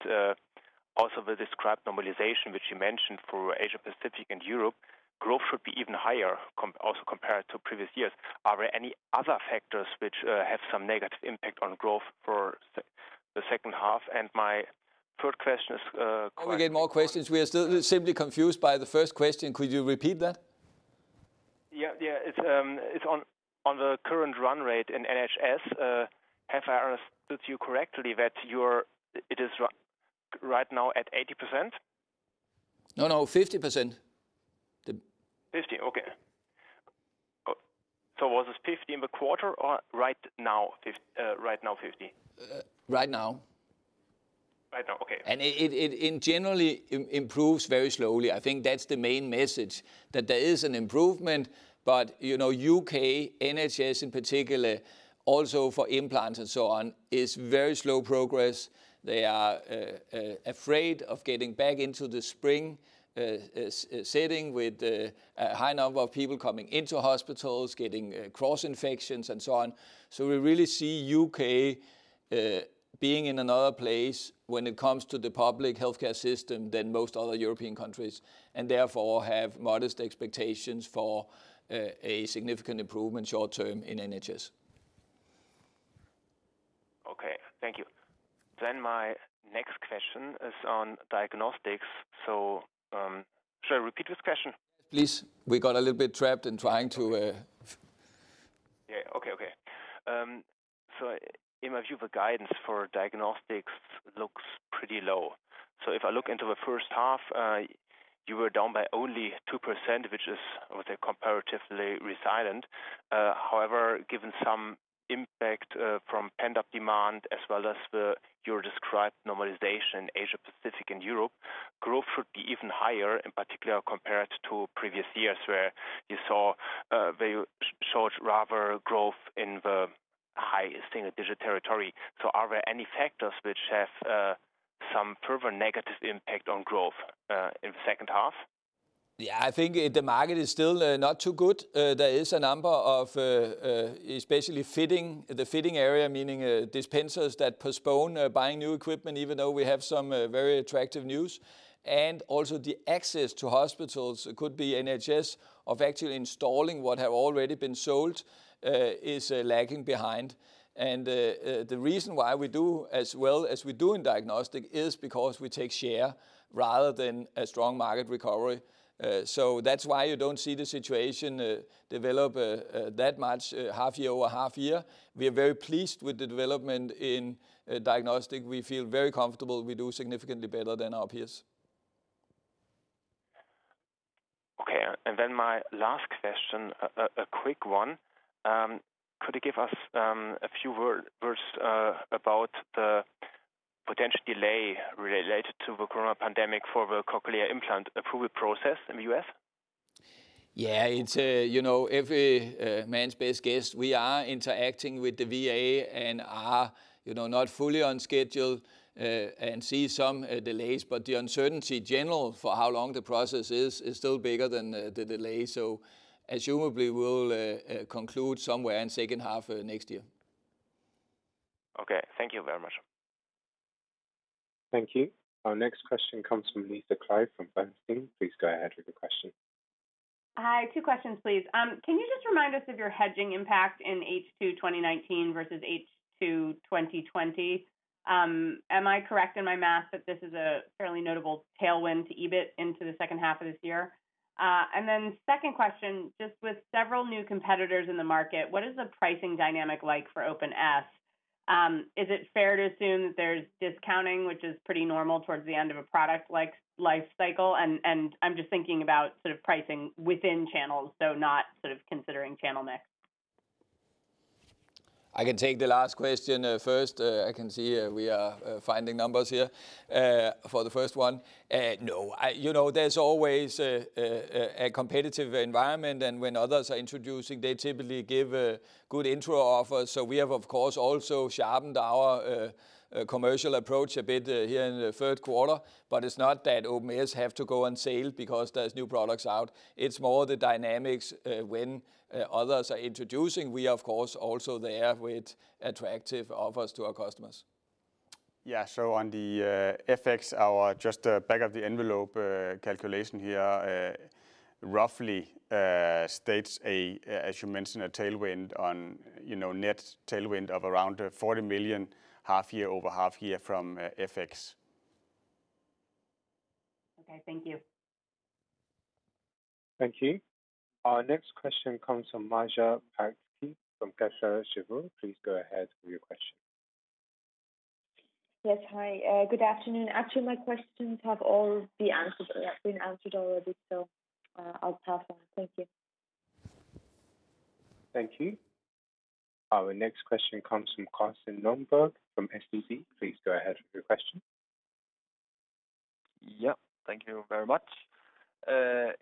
also the described normalization, which you mentioned for Asia Pacific and Europe, growth should be even higher, also compared to previous years. Are there any other factors which have some negative impact on growth for the second half? My third question is Before we get more questions, we are still simply confused by the first question. Could you repeat that? Yeah. It's on the current run rate in NHS. Have I understood you correctly that it is right now at 80%? No. 50%. 50%, okay. Was this 50% in the quarter or right now 50%? Right now. Right now, okay. It generally improves very slowly. I think that's the main message, that there is an improvement, but U.K., NHS in particular, also for implants and so on, is very slow progress. They are afraid of getting back into the spring setting with a high number of people coming into hospitals, getting cross-infections, and so on. We really see U.K. being in another place when it comes to the public healthcare system than most other European countries, and therefore have modest expectations for a significant improvement short term in NHS. Okay. Thank you. My next question is on diagnostics. Should I repeat this question? Please. We got a little bit trapped. Yeah. Okay. In my view, the guidance for diagnostics looks pretty low. If I look into the first half, you were down by only 2%, which is, I would say, comparatively resilient. However, given some impact from pent-up demand as well as your described normalization in Asia Pacific and Europe, growth should be even higher, in particular compared to previous years, where you saw they showed rather growth in the high single-digit territory. Are there any factors which have some further negative impact on growth in the second half? Yeah. I think the market is still not too good. There is a number of, especially the fitting area, meaning dispensers that postpone buying new equipment even though we have some very attractive news. Also the access to hospitals, could be NHS, of actually installing what have already been sold is lagging behind. The reason why we do as well as we do in Diagnostic is because we take share rather than a strong market recovery. That's why you don't see the situation develop that much half-year-over-half-year. We are very pleased with the development in Diagnostic. We feel very comfortable we do significantly better than our peers. Then my last question, a quick one. Could you give us a few words about the potential delay related to the coronavirus pandemic for the cochlear implant approval process in the U.S.? It's every man's best guess. We are interacting with the VA and are not fully on schedule, and see some delays, but the uncertainty general for how long the process is still bigger than the delay. Presumably, we'll conclude somewhere in second half of next year. Okay. Thank you very much. Thank you. Our next question comes from Lisa Clive from Bernstein. Please go ahead with your question. Hi. Two questions, please. Can you just remind us of your hedging impact in H2 2019 versus H2 2020? Am I correct in my math that this is a fairly notable tailwind to EBIT into the second half of this year? Second question, just with several new competitors in the market, what is the pricing dynamic like for Oticon Opn S? Is it fair to assume that there's discounting, which is pretty normal towards the end of a product life cycle, and I'm just thinking about sort of pricing within channels, so not considering channel mix. I can take the last question first. I can see we are finding numbers here. For the first one, no. There's always a competitive environment, and when others are introducing, they typically give good intro offers. We have, of course, also sharpened our commercial approach a bit here in the third quarter, but it's not that Oticon Opn S have to go on sale because there's new products out. It's more the dynamics when others are introducing. We, of course, also there with attractive offers to our customers. Yeah. On the FX, just a back of the envelope calculation here, roughly states, as you mentioned, a net tailwind of around 40 million half-year over half-year from FX. Okay. Thank you. Thank you. Our next question comes from Maja Pataki from Kepler Cheuvreux. Please go ahead with your question. Yes. Hi, good afternoon. Actually, my questions have all been answered already, so I'll pass on. Thank you. Thank you. Our next question comes from Carsten Lønborg from SEB. Please go ahead with your question. Yeah, thank you very much.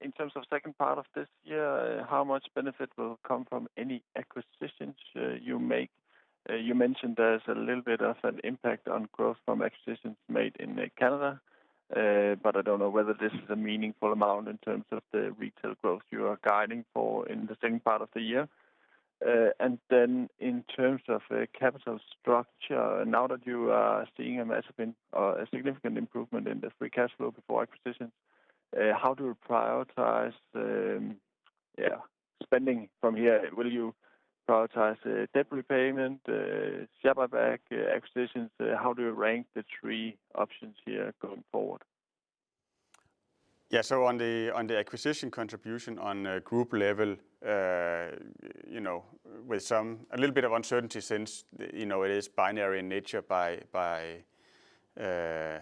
In terms of second part of this year, how much benefit will come from any acquisitions you make? You mentioned there's a little bit of an impact on growth from acquisitions made in Canada, but I don't know whether this is a meaningful amount in terms of the retail growth you are guiding for in the second part of the year. In terms of capital structure, now that you are seeing a significant improvement in the free cash flow before acquisitions, how do you prioritize spending from here? Will you prioritize debt repayment, share buyback, acquisitions? How do you rank the three options here going forward? On the acquisition contribution on a group level, with a little bit of uncertainty since it is binary in nature in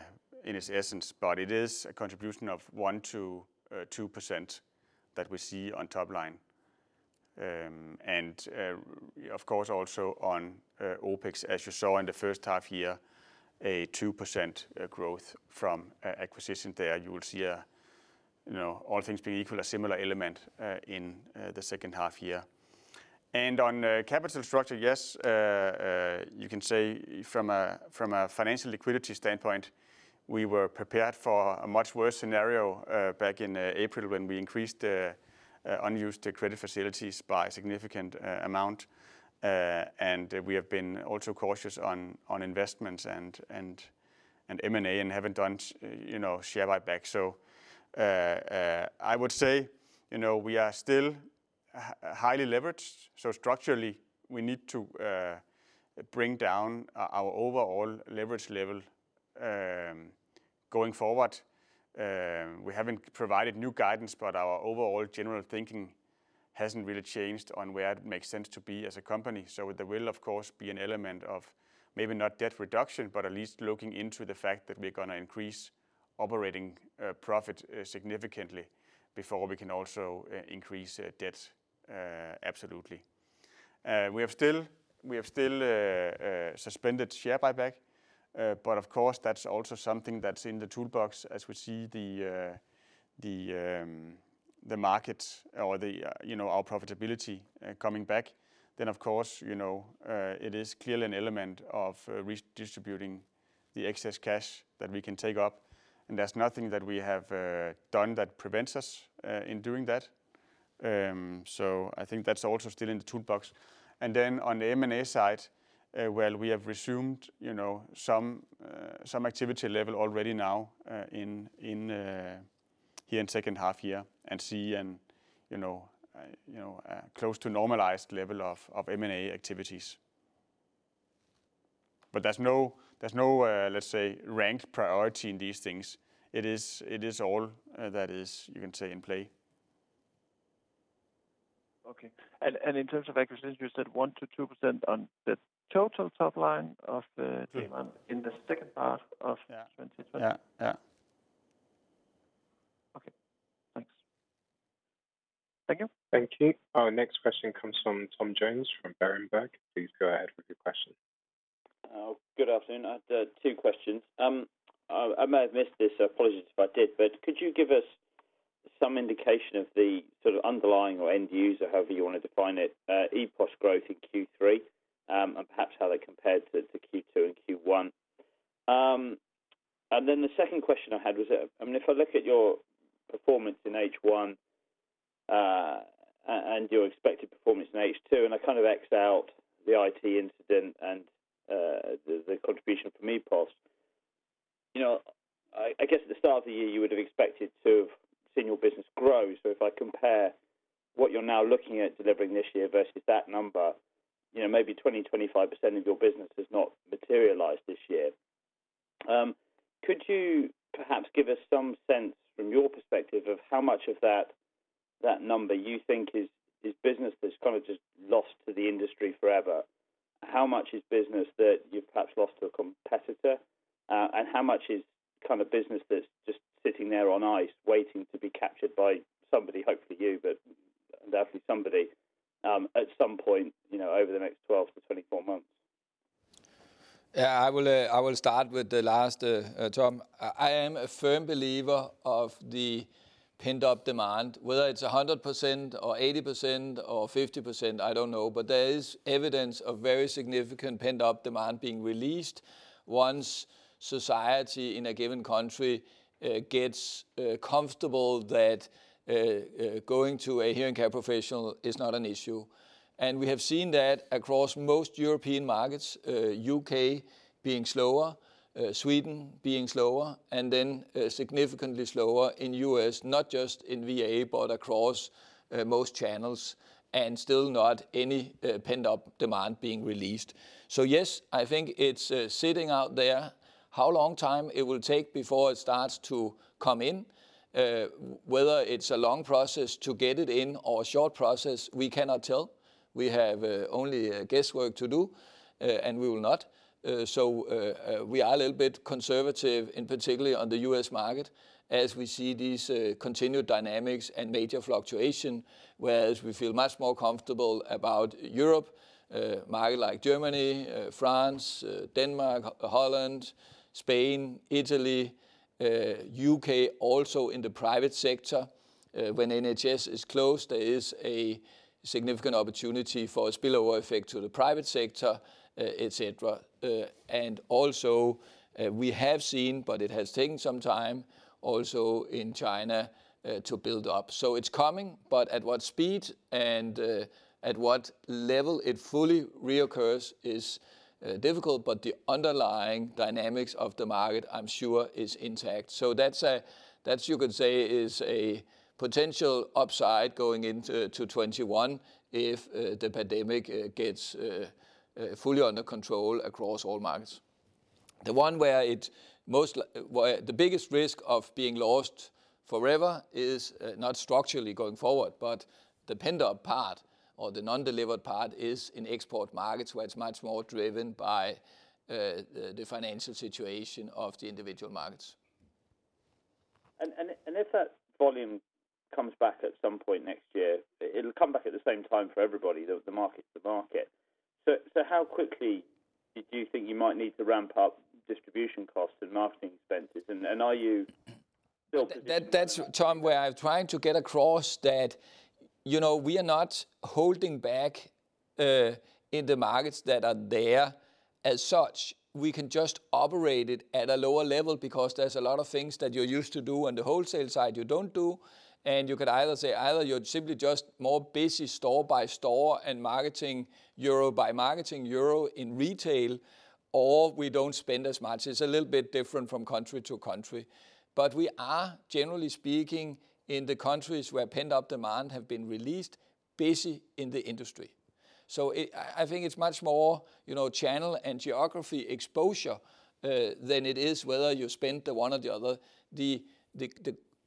its essence, but it is a contribution of 1%-2% that we see on top line. Of course, also on OpEx, as you saw in the first half year, a 2% growth from acquisition there. You will see, all things being equal, a similar element in the second half year. On capital structure, yes, you can say from a financial liquidity standpoint, we were prepared for a much worse scenario back in April when we increased the unused credit facilities by a significant amount. We have been also cautious on investments and M&A and haven't done share buyback. I would say we are still highly leveraged. Structurally, we need to bring down our overall leverage level going forward. We haven't provided new guidance, but our overall general thinking hasn't really changed on where it makes sense to be as a company. There will, of course, be an element of maybe not debt reduction, but at least looking into the fact that we're going to increase operating profit significantly before we can also increase debt absolutely. We have still suspended share buyback. Of course, that's also something that's in the toolbox as we see the market or our profitability coming back. Of course, it is clearly an element of redistributing the excess cash that we can take up, and there's nothing that we have done that prevents us in doing that. I think that's also still in the toolbox. On the M&A side, well, we have resumed some activity level already now here in second half year and see close to normalized level of M&A activities. There's no, let's say, ranked priority in these things. It is all that is, you can say, in play. Okay. In terms of acquisitions, you said 1%-2% on the total top line of the Demant in the second half of 2020? Yeah. Okay, thanks. Thank you. Thank you. Our next question comes from Tom Jones from Berenberg. Please go ahead with your question. Good afternoon. I have two questions. I may have missed this, so apologies if I did, but could you give us some indication of the underlying or end user, however you want to define it, EPOS growth in Q3, and perhaps how they compared to Q2 and Q1? The second question I had was, if I look at your performance in H1 and your expected performance in H2, and X-ed out the IT incident and the contribution from EPOS. I guess at the start of the year, you would've expected to have seen your business grow. If I compare what you're now looking at delivering this year versus that number, maybe 20%, 25% of your business has not materialized this year. Could you perhaps give us some sense from your perspective of how much of that number you think is business that's kind of just lost to the industry forever? How much is business that you've perhaps lost to a competitor? How much is business that's just sitting there on ice, waiting to be captured by somebody, hopefully you, but definitely somebody, at some point over the next 12-24 months? I will start with the last, Tom. I am a firm believer of the pent-up demand, whether it's 100% or 80% or 50%, I don't know. There is evidence of very significant pent-up demand being released once society in a given country gets comfortable that going to a hearing care professional is not an issue. We have seen that across most European markets, U.K. being slower, Sweden being slower, then significantly slower in U.S., not just in VA, but across most channels, and still not any pent-up demand being released. Yes, I think it's sitting out there. How long time it will take before it starts to come in, whether it's a long process to get it in or a short process, we cannot tell. We have only guesswork to do, and we will not. We are a little bit conservative, in particular on the U.S. market, as we see these continued dynamics and major fluctuation, whereas we feel much more comfortable about Europe, market like Germany, France, Denmark, Holland, Spain, Italy, U.K. also in the private sector. When NHS is closed, there is a significant opportunity for a spillover effect to the private sector, et cetera. Also, we have seen, but it has taken some time, also in China to build up. It's coming, but at what speed and at what level it fully reoccurs is difficult. The underlying dynamics of the market, I'm sure, is intact. That, you could say, is a potential upside going into 2021 if the pandemic gets fully under control across all markets. The biggest risk of being lost forever is not structurally going forward, but the pent-up part or the non-delivered part is in export markets, where it's much more driven by the financial situation of the individual markets. If that volume comes back at some point next year, it'll come back at the same time for everybody. The market's the market. How quickly did you think you might need to ramp up distribution costs and marketing expenses? Are you still- That, Tom, where I'm trying to get across that we are not holding back in the markets that are there as such. We can just operate it at a lower level because there's a lot of things that you used to do on the wholesale side you don't do. You could either say either you're simply just more busy store by store and marketing euro by marketing euro in retail, or we don't spend as much. It's a little bit different from country to country. We are, generally speaking, in the countries where pent-up demand have been released, busy in the industry. I think it's much more channel and geography exposure than it is whether you spend the one or the other. The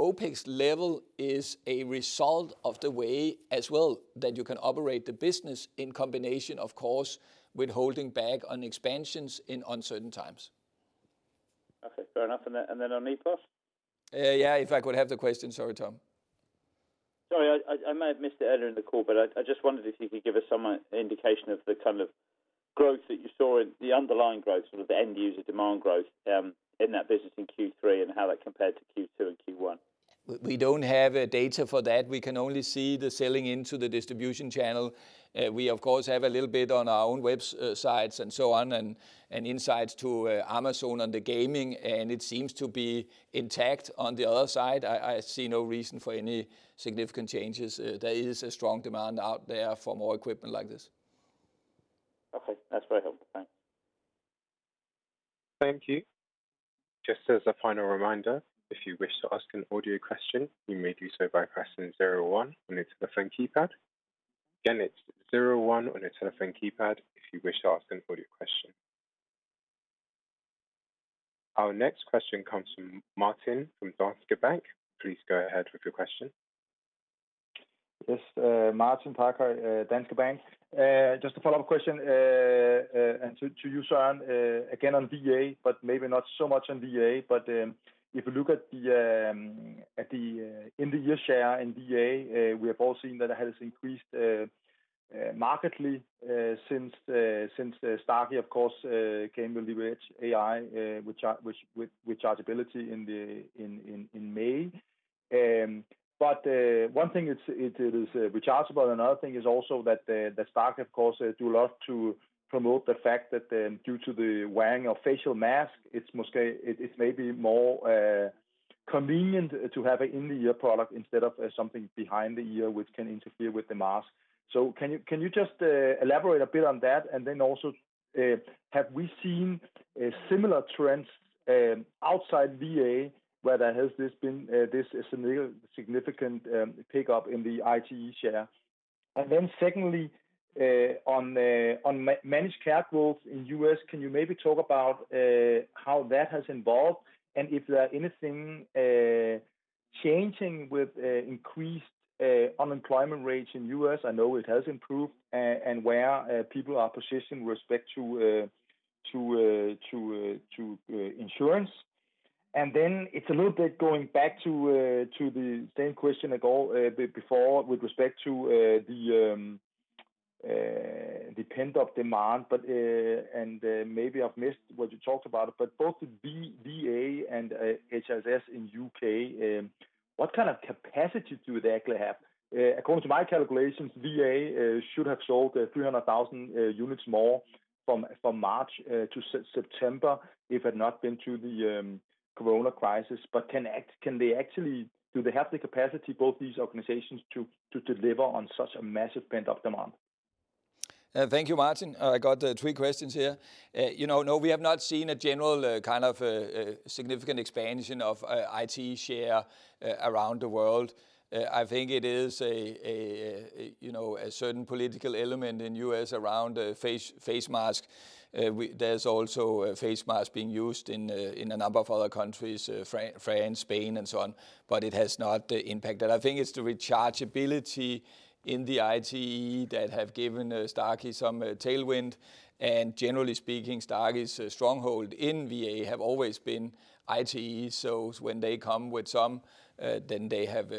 OpEx level is a result of the way as well that you can operate the business in combination, of course, with holding back on expansions in uncertain times. Okay, fair enough. On EPOS? Yeah. If I could have the question. Sorry, Tom. Sorry, I may have missed it earlier in the call, but I just wondered if you could give us some indication of the kind of growth that you saw in the underlying growth, sort of the end-user demand growth, in that business in Q3, and how that compared to Q2 and Q1? We don't have data for that. We can only see the selling into the distribution channel. We, of course, have a little bit on our own websites and so on and insights to Amazon and the gaming, and it seems to be intact on the other side. I see no reason for any significant changes. There is a strong demand out there for more equipment like this. Okay. That's very helpful. Thanks. Thank you. Just as a final reminder, if you wish to ask an audio question, you may do so by pressing zero one on your telephone keypad. Again, it's zero one on your telephone keypad if you wish to ask an audio question. Our next question comes from Martin from Danske Bank. Please go ahead with your question. Yes. Martin Parkhøi, Danske Bank. Just a follow-up question to you, Søren, again on VA, but maybe not so much on VA. If you look at the in-the-ear share in VA, we have all seen that it has increased markedly since Starkey, of course, came with rechargeability in May. One thing, it is rechargeable, another thing is also that Starkey, of course, do a lot to promote the fact that due to the wearing of facial mask, it's maybe more convenient to have an in-the-ear product instead of something behind the ear which can interfere with the mask. Can you just elaborate a bit on that? Have we seen similar trends outside VA, whether has this been a significant pickup in the ITE share? Secondly, on managed care growth in U.S., can you maybe talk about how that has evolved and if there are anything changing with increased unemployment rates in U.S.? I know it has improved. Where people are positioned with respect to insurance. It's a little bit going back to the same question before with respect to the pent-up demand, and maybe I've missed what you talked about, but both the VA and NHS in U.K., what kind of capacity do they actually have? According to my calculations, VA should have sold 300,000 units more from March to September if had not been to the COVID crisis. Do they have the capacity, both these organizations, to deliver on such a massive pent-up demand? Thank you, Martin. I got three questions here. We have not seen a general kind of significant expansion of ITE share around the world. I think it is a certain political element in U.S. around face mask. There's also a face mask being used in a number of other countries, France, Spain, and so on, but it has not impacted. I think it's the rechargeability in the ITE that have given Starkey some tailwind. Generally speaking, Starkey's stronghold in VA have always been ITE. When they come with some, then they have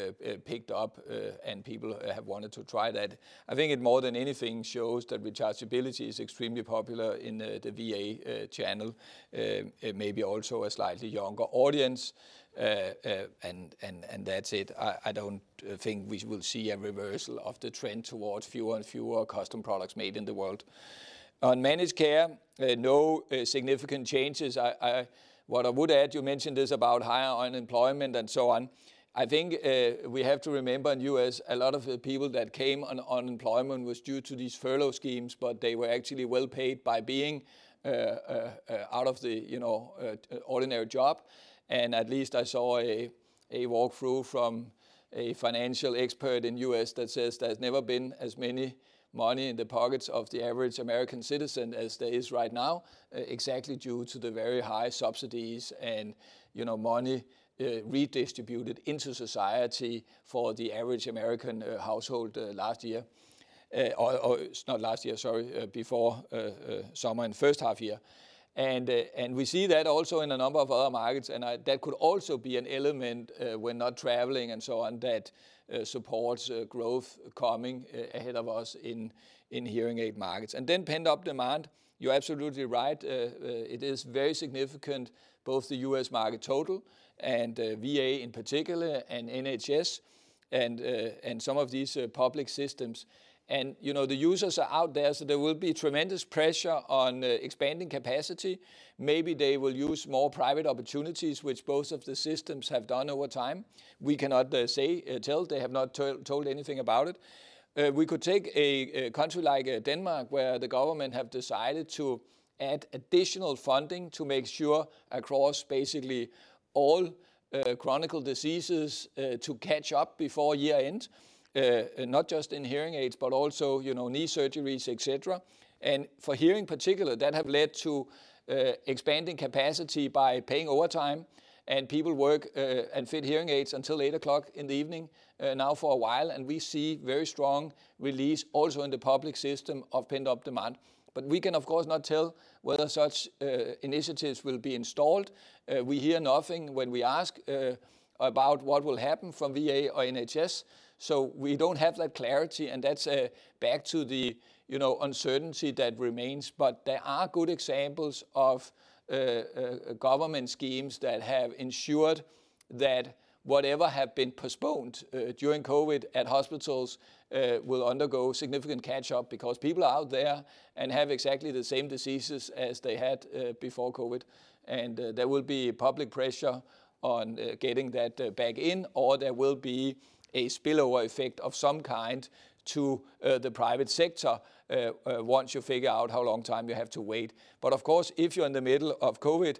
picked up and people have wanted to try that. I think it more than anything shows that rechargeability is extremely popular in the VA channel. It may be also a slightly younger audience, and that's it. I don't think we will see a reversal of the trend towards fewer and fewer custom products made in the world. On managed care, no significant changes. What I would add, you mentioned this about higher unemployment and so on. I think we have to remember in the U.S., a lot of the people that came on unemployment was due to these furlough schemes, but they were actually well-paid by being out of the ordinary job. At least I saw a walkthrough from a financial expert in the U.S. that says there's never been as many money in the pockets of the average American citizen as there is right now, exactly due to the very high subsidies and money redistributed into society for the average American household last year. Not last year, sorry, before summer and first half year. We see that also in a number of other markets, that could also be an element when not traveling and so on, that supports growth coming ahead of us in hearing aid markets. Pent-up demand. You're absolutely right. It is very significant, both the U.S. market total and VA in particular, NHS and some of these public systems. The users are out there, so there will be tremendous pressure on expanding capacity. Maybe they will use more private opportunities, which both of the systems have done over time. We cannot tell. They have not told anything about it. We could take a country like Denmark, where the government have decided to add additional funding to make sure across basically all chronic diseases to catch up before year-end, not just in hearing aids, but also knee surgeries, et cetera. For hearing particular, that have led to expanding capacity by paying overtime, and people work and fit hearing aids until 8:00 P.M. now for a while. We see very strong release also in the public system of pent-up demand. We can, of course, not tell whether such initiatives will be installed. We hear nothing when we ask about what will happen from VA or NHS, so we don't have that clarity, and that's back to the uncertainty that remains. There are good examples of government schemes that have ensured that whatever have been postponed during COVID at hospitals will undergo significant catch-up because people are out there and have exactly the same diseases as they had before COVID. There will be public pressure on getting that back in, or there will be a spillover effect of some kind to the private sector once you figure out how long time you have to wait. Of course, if you're in the middle of COVID,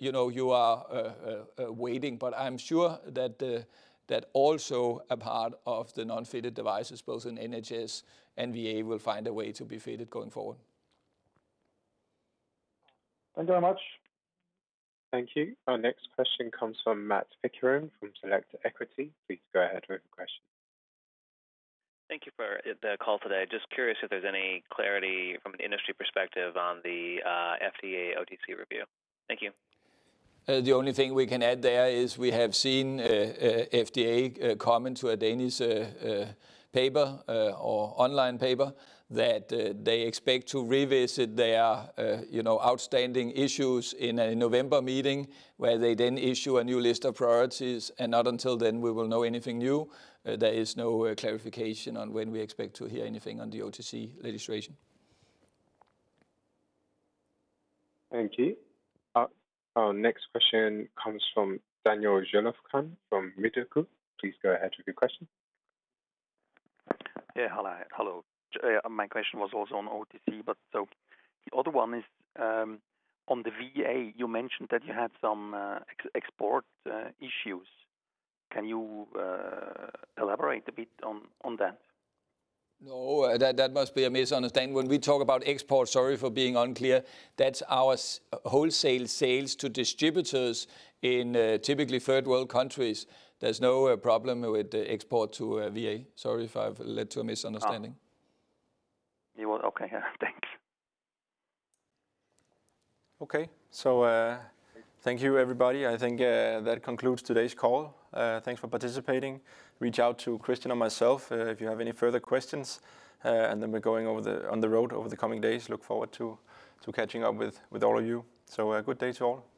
you are waiting. I'm sure that also a part of the non-fitted devices, both in NHS and VA, will find a way to be fitted going forward. Thank you very much. Thank you. Our next question comes from Matt Ficarra from Select Equity. Please go ahead with your question. Thank you for the call today. Just curious if there's any clarity from an industry perspective on the FDA OTC review. Thank you. The only thing we can add there is we have seen FDA comment to a Danish paper, or online paper, that they expect to revisit their outstanding issues in a November meeting where they then issue a new list of priorities, and not until then we will know anything new. There is no clarification on when we expect to hear anything on the OTC legislation. Thank you. Our next question comes from Daniel Jelovcan from Mirabaud Group. Please go ahead with your question. Yeah. Hello. My question was also on OTC. The other one is, on the VA, you mentioned that you had some export issues. Can you elaborate a bit on that? No, that must be a misunderstanding. When we talk about export, sorry for being unclear, that's our wholesale sales to distributors in typically third-world countries. There's no problem with export to VA. Sorry if I've led to a misunderstanding. You're welcome. Okay. Yeah. Thanks. Thank you everybody. I think that concludes today's call. Thanks for participating. Reach out to Christian or myself if you have any further questions. We're going on the road over the coming days. Look forward to catching up with all of you. Good day to you all.